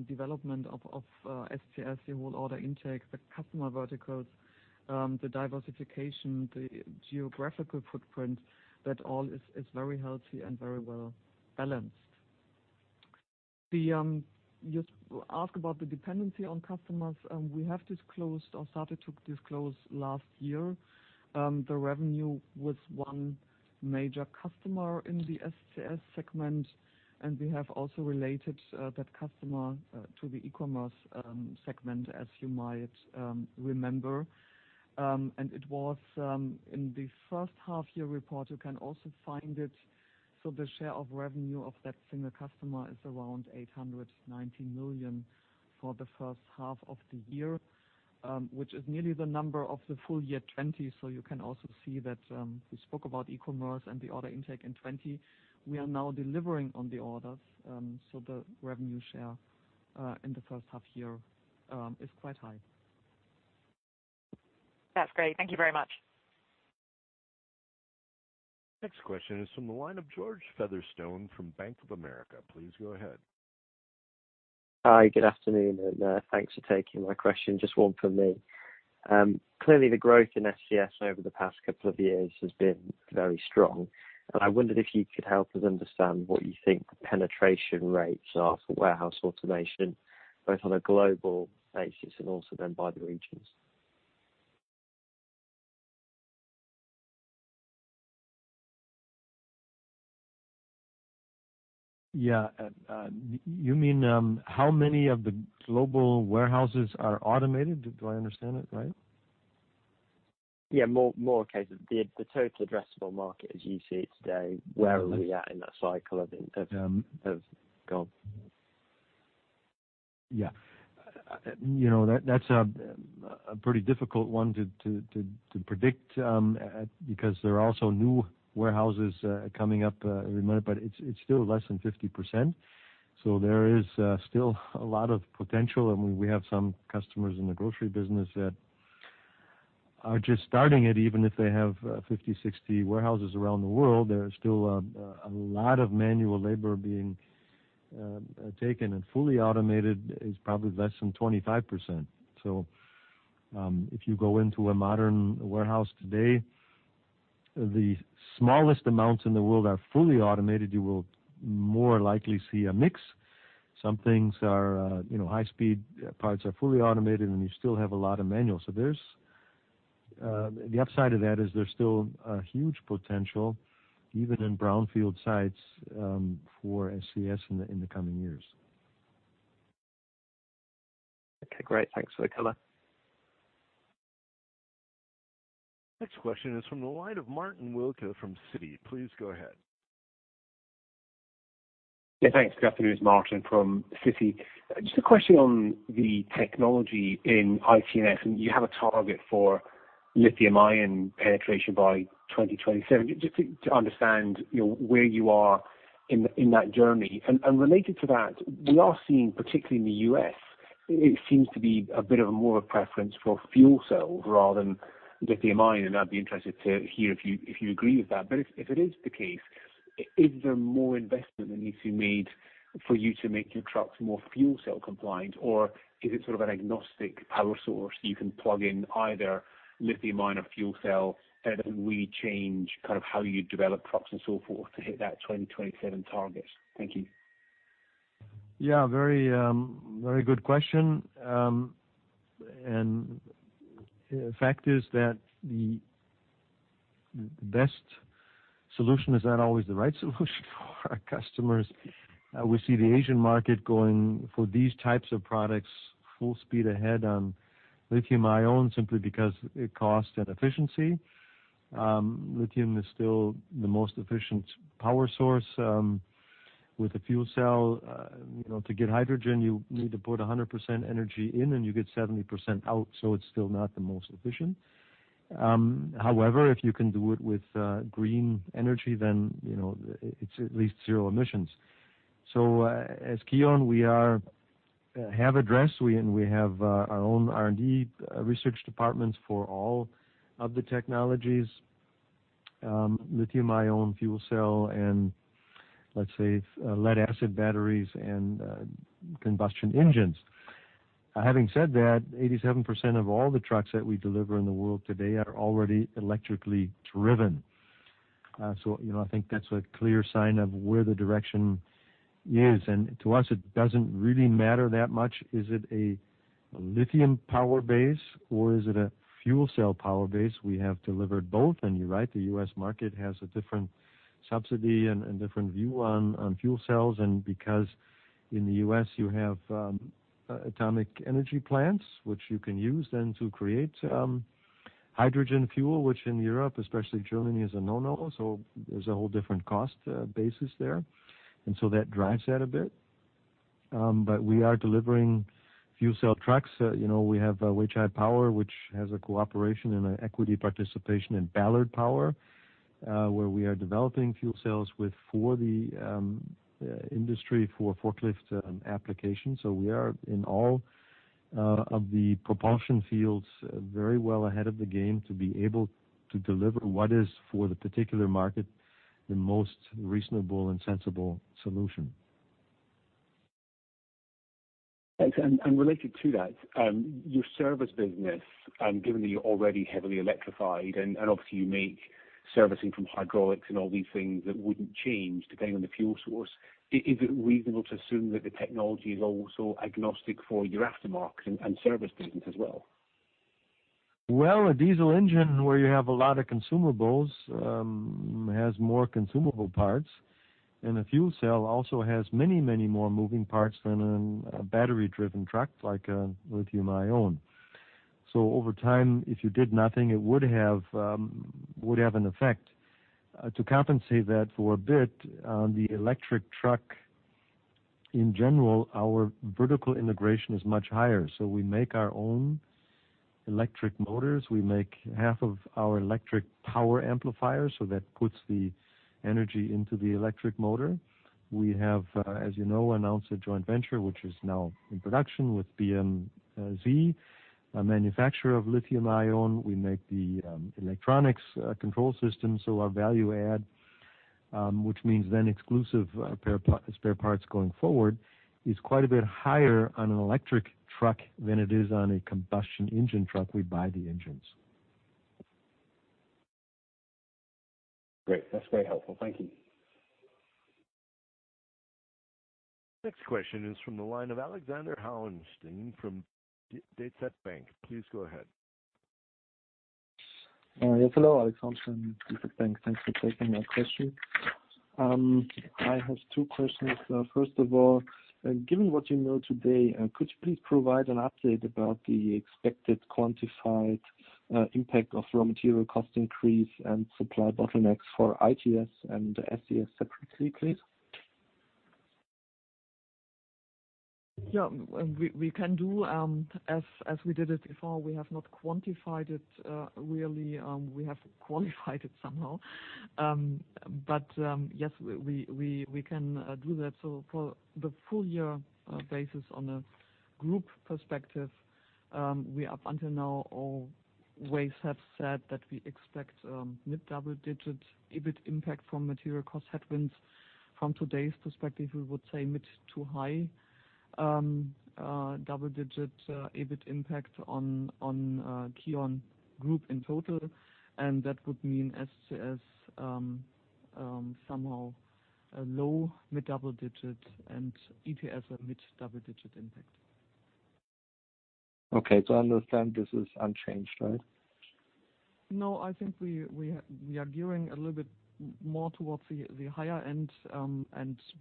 development of SCS, the whole order intake, the customer verticals, the diversification, the geographical footprint, that all is very healthy and very well balanced. You asked about the dependency on customers. We have disclosed or started to disclose last year, the revenue with one major customer in the SCS segment, and we have also related that customer to the e-commerce segment as you might remember. It was in the first half-year report, you can also find it. The share of revenue of that single customer is around 890 million for the first half of the year, which is nearly the number of the full year 2020. You can also see that, we spoke about e-commerce and the order intake in 2020. We are now delivering on the orders. The revenue share, in the first half-year, is quite high. That's great. Thank you very much. Next question is from the line of George Featherstone from Bank of America. Please go ahead. Hi, good afternoon, and thanks for taking my question. Just one from me. Clearly the growth in SCS over the past couple of years has been very strong, and I wondered if you could help us understand what you think the penetration rates are for warehouse automation, both on a global basis and also then by the regions. Yeah. You mean, how many of the global warehouses are automated? Do I understand it right? Yeah. More a case of the total addressable market as you see it today. Where are we at in that cycle of, have gone? Yeah. That's a pretty difficult one to predict, because there are also new warehouses, coming up, every minute, but it's still less than 50%. There is still a lot of potential. We have some customers in the grocery business that are just starting it, even if they have 50, 60 warehouses around the world. There is still a lot of manual labor being taken and fully automated is probably less than 25%. If you go into a modern warehouse today, the smallest amounts in the world are fully automated. You will more likely see a mix. High speed parts are fully automated, and you still have a lot of manual. The upside of that is there's still a huge potential even in brownfield sites, for SCS in the coming years. Okay, great. Thanks for the color. Next question is from the line of Martin Wilkie from Citi. Please go ahead. Thanks. Good afternoon. It's Martin from Citi. Just a question on the technology in ITS. You have a target for lithium-ion penetration by 2027. Just to understand where you are in that journey. Related to that, we are seeing, particularly in the U.S., it seems to be a bit of a more of a preference for fuel cells rather than lithium-ion. I'd be interested to hear if you agree with that. If it is the case, is there more investment that needs to be made for you to make your trucks more fuel-cell compliant, or is it sort of an agnostic power source you can plug in either lithium-ion or fuel cell? Then re-change kind of how you develop trucks and so forth to hit that 2027 target? Thank you. Yeah, very good question. The fact is that the best solution is not always the right solution for our customers. We see the Asian market going for these types of products full speed ahead on lithium-ion, simply because of cost and efficiency. Lithium is still the most efficient power source. With a fuel cell, to get hydrogen, you need to put 100% energy in, and you get 70% out, so it's still not the most efficient. However, if you can do it with green energy, then it's at least zero emissions. As KION, we have addressed, and we have our own R&D research departments for all of the technologies, lithium-ion, fuel cell, and let's say, lead-acid batteries and combustion engines. Having said that, 87% of all the trucks that we deliver in the world today are already electrically driven. I think that's a clear sign of where the direction is. To us, it doesn't really matter that much. Is it a lithium power base, or is it a fuel cell power base? We have delivered both. You're right, the U.S. market has a different subsidy and different view on fuel cells, because in the U.S. you have atomic energy plants, which you can use then to create hydrogen fuel, which in Europe, especially Germany, is a no-no. There's a whole different cost basis there. That drives that a bit. We are delivering fuel cell trucks. We have Weichai Power, which has a cooperation and an equity participation in Ballard Power, where we are developing fuel cells for the industry, for forklift applications. We are, in all of the propulsion fields, very well ahead of the game to be able to deliver what is, for the particular market, the most reasonable and sensible solution. Thanks. Related to that, your service business, given that you are already heavily electrified and obviously you make servicing from hydraulics and all these things that wouldn't change depending on the fuel source, is it reasonable to assume that the technology is also agnostic for your aftermarket and service business as well? Well, a diesel engine where you have a lot of consumables has more consumable parts. A fuel cell also has many, many more moving parts than a battery-driven truck, like a lithium-ion. Over time, if you did nothing, it would have an effect. To compensate that for a bit, the electric truck in general, our vertical integration is much higher. We make our own electric motors. We make half of our electric power amplifiers, so that puts the energy into the electric motor. We have, as you know, announced a joint venture, which is now in production with BMZ, a manufacturer of lithium-ion. We make the electronics control system. Our value add, which means then exclusive spare parts going forward, is quite a bit higher on an electric truck than it is on a combustion engine truck. We buy the engines. Great. That's very helpful. Thank you. Next question is from the line of Alexander Hauenstein from DZ BANK. Please go ahead. Yes, hello, Alexander, DZ BANK. Thanks for taking my question. I have two questions. First of all, given what you know today, could you please provide an update about the expected quantified impact of raw material cost increase and supply bottlenecks for ITS and SCS separately, please? Yeah. We can do, as we did it before, we have not quantified it really. We have qualified it somehow. Yes, we can do that. For the full year basis on a group perspective, we up until now always have said that we expect mid-double-digit EBIT impact from material cost headwinds. From today's perspective, we would say mid-to-high double-digit EBIT impact on KION Group in total, that would mean SCS somehow a low mid-double-digit and ITS a mid-double-digit impact. Okay, I understand this is unchanged, right? No, I think we are gearing a little bit more towards the higher end.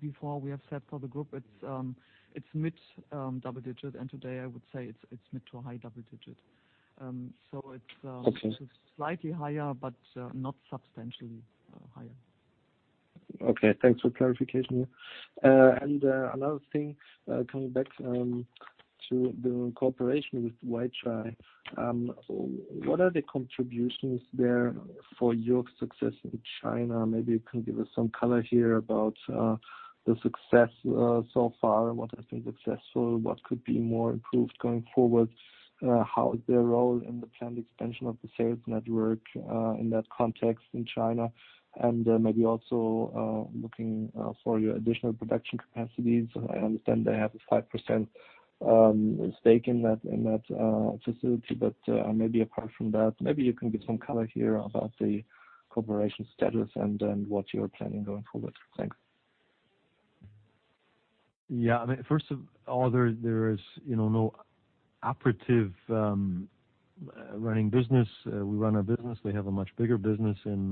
Before we have said for the group, it's mid-double-digit, and today I would say it's mid-to-high double-digit. Okay Slightly higher, but not substantially higher. Okay, thanks for clarification. Another thing, coming back to the cooperation with Weichai. What are the contributions there for your success in China? Maybe you can give us some color here about the success so far and what has been successful, what could be more improved going forward, how is their role in the planned expansion of the sales network in that context in China, and maybe also looking for your additional production capacities. I understand they have a 5% stake in that facility, but maybe apart from that, maybe you can give some color here about the cooperation status and then what you're planning going forward. Thanks. Yeah. First of all, there is no operative running business. We run a business. They have a much bigger business in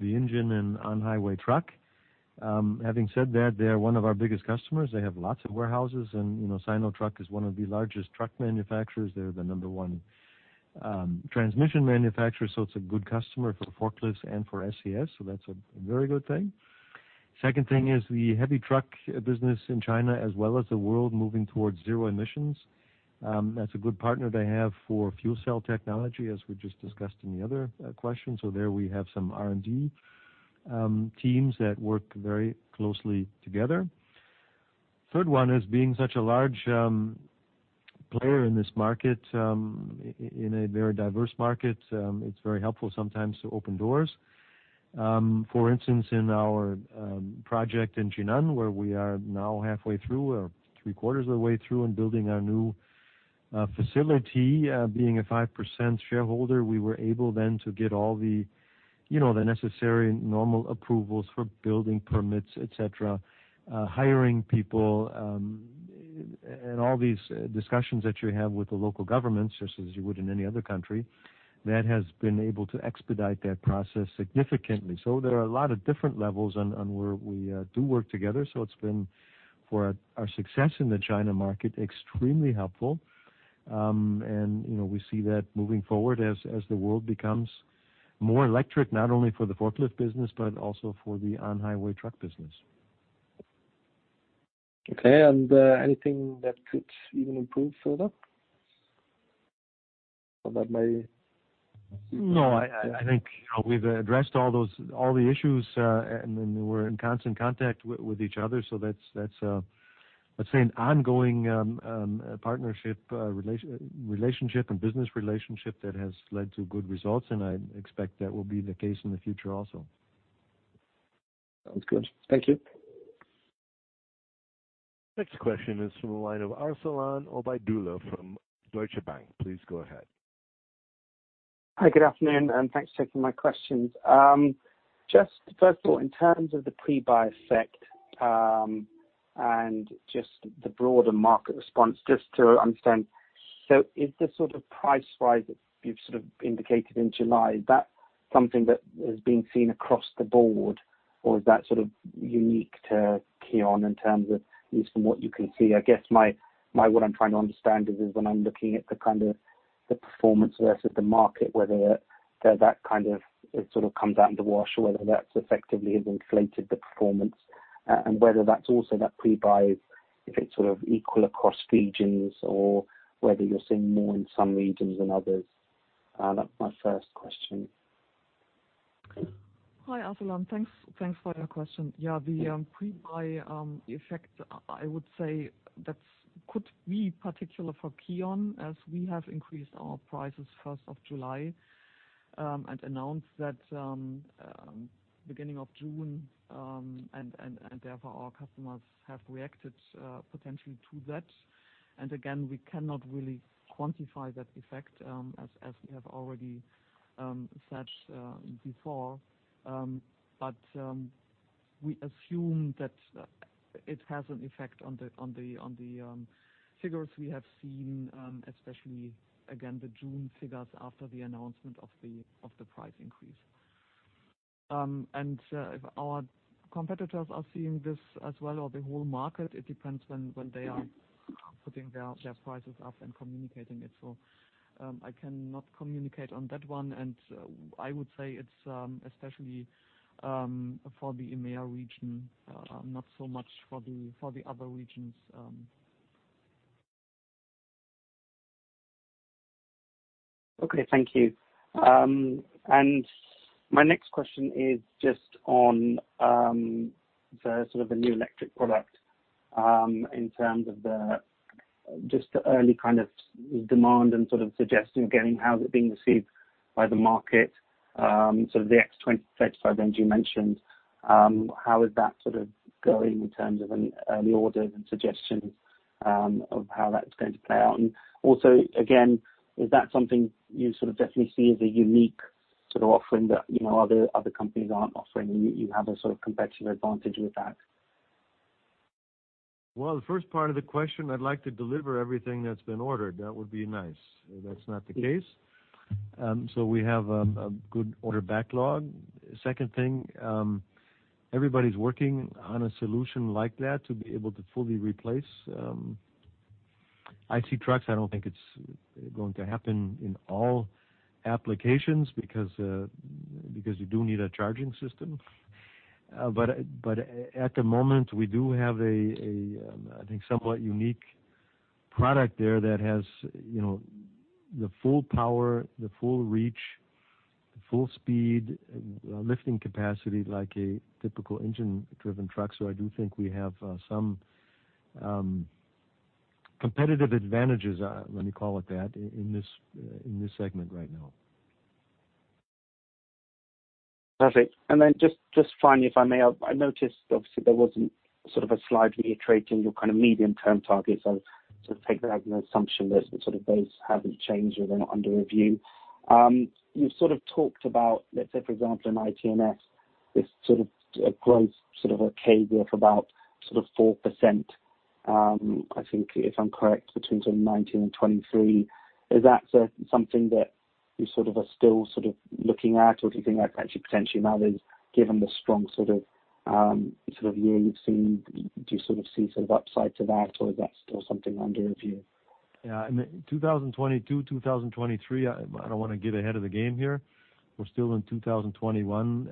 the engine and on-highway truck. Having said that, they are one of our biggest customers. They have lots of warehouses, and Sinotruk is one of the largest truck manufacturers. They're the number one transmission manufacturer, so it's a good customer for forklifts and for SCS. That's a very good thing. Second thing is the heavy truck business in China, as well as the world moving towards zero emissions. That's a good partner they have for fuel cell technology, as we just discussed in the other question. There we have some R&D teams that work very closely together. Third one is being such a large player in this market, in a very diverse market, it's very helpful sometimes to open doors. For instance, in our project in Jinan, where we are now halfway through or three-quarters of the way through in building our new facility. Being a 5% shareholder, we were able then to get all the necessary normal approvals for building permits, et cetera, hiring people, and all these discussions that you have with the local governments, just as you would in any other country, that has been able to expedite that process significantly. There are a lot of different levels on where we do work together. It's been, for our success in the China market, extremely helpful. We see that moving forward as the world becomes more electric, not only for the forklift business but also for the on-highway truck business. Okay. Anything that could even improve further? No, I think we've addressed all the issues, and then we're in constant contact with each other. That's, let's say, an ongoing partnership relationship and business relationship that has led to good results. I expect that will be the case in the future also. Sounds good. Thank you. Next question is from the line of Arsalan Obaidullah from Deutsche Bank. Please go ahead. Hi, good afternoon, and thanks for taking my questions. Just first of all, in terms of the pre-buy effect, and just the broader market response, just to understand. Is the sort of price rise that you've indicated in July, is that something that is being seen across the board, or is that sort of unique to KION in terms of at least from what you can see? I guess what I'm trying to understand is when I'm looking at the kind of the performance versus the market, whether that kind of comes out in the wash or whether that effectively has inflated the performance. Whether that's also that pre-buy, if it's sort of equal across regions or whether you're seeing more in some regions than others. That's my first question. Hi, Arsalan. Thanks for your question. The pre-buy effect, I would say that could be particular for KION, as we have increased our prices of July 1st, announced that beginning of June, therefore our customers have reacted potentially to that. Again, we cannot really quantify that effect, as we have already said before. We assume that it has an effect on the figures we have seen, especially, again, the June figures after the announcement of the price increase. If our competitors are seeing this as well or the whole market, it depends when they are putting their prices up and communicating it. I cannot communicate on that one, I would say it is especially for the EMEA region, not so much for the other regions. Okay, thank you. My next question is just on the new electric product, in terms of just the early kind of demand and sort of suggestion again, how is it being received by the market? Sort of the X25 engine you mentioned, how is that going in terms of early orders and suggestions of how that's going to play out? Also, again, is that something you definitely see as a unique offering that other companies aren't offering, you have a sort of competitive advantage with that? The first part of the question, I'd like to deliver everything that's been ordered. That would be nice. That's not the case. We have a good order backlog. Second thing, everybody's working on a solution like that to be able to fully replace IC trucks. I don't think it's going to happen in all applications because you do need a charging system. At the moment, we do have a, I think, somewhat unique product there that has the full power, the full reach, the full speed, lifting capacity like a typical engine-driven truck. I do think we have some competitive advantages, let me call it that, in this segment right now. Perfect. Just finally, if I may. I noticed, obviously, there wasn't sort of a slide reiterating your medium-term targets. I'll just take that as an assumption that those haven't changed or they're not under review. You've sort of talked about, let say, for example, an ITS sort of a growth of about sort of 4%, I think, if I'm correct, between 2019 and 2023. Is that something that you sort of are still looking at, or do you think that actually potentially now is given the strong sort of year you've seen, do you sort of see upside to that, or is that still something under review? Yeah. In 2022, 2023, I don't want to get ahead of the game here. We're still in 2021.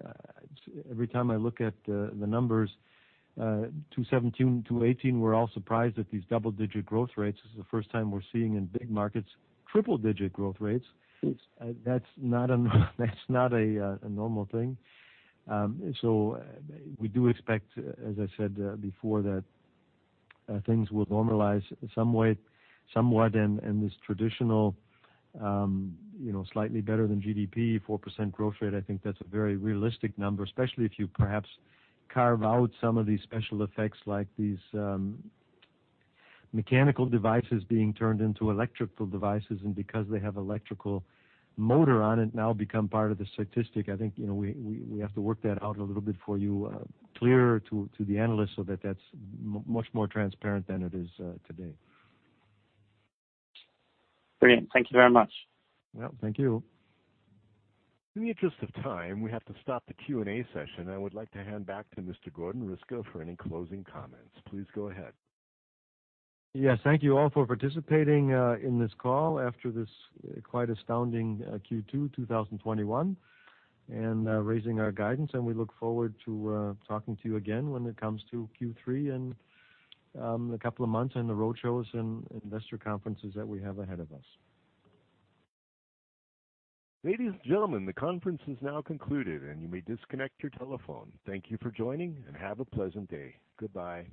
Every time I look at the numbers, 2017, 2018, we're all surprised at these double-digit growth rates. This is the first time we're seeing in big markets triple-digit growth rates. Yes. That's not a normal thing. We do expect, as I said before, that things will normalize somewhat, and this traditional slightly better than GDP 4% growth rate, I think that's a very realistic number, especially if you perhaps carve out some of these special effects like these mechanical devices being turned into electrical devices, and because they have electrical motor on it now become part of the statistic. I think we have to work that out a little bit for you clearer to the analyst so that that's much more transparent than it is today. Brilliant. Thank you very much. Well, thank you. In the interest of time, we have to stop the Q&A session. I would like to hand back to Mr. Gordon Riske for any closing comments. Please go ahead. Yes. Thank you all for participating in this call after this quite astounding Q2 2021, and raising our guidance, and we look forward to talking to you again when it comes to Q3 in a couple of months, and the road shows and investor conferences that we have ahead of us. Ladies and gentlemen, the conference is now concluded, and you may disconnect your telephone. Thank you for joining, and have a pleasant day. Goodbye.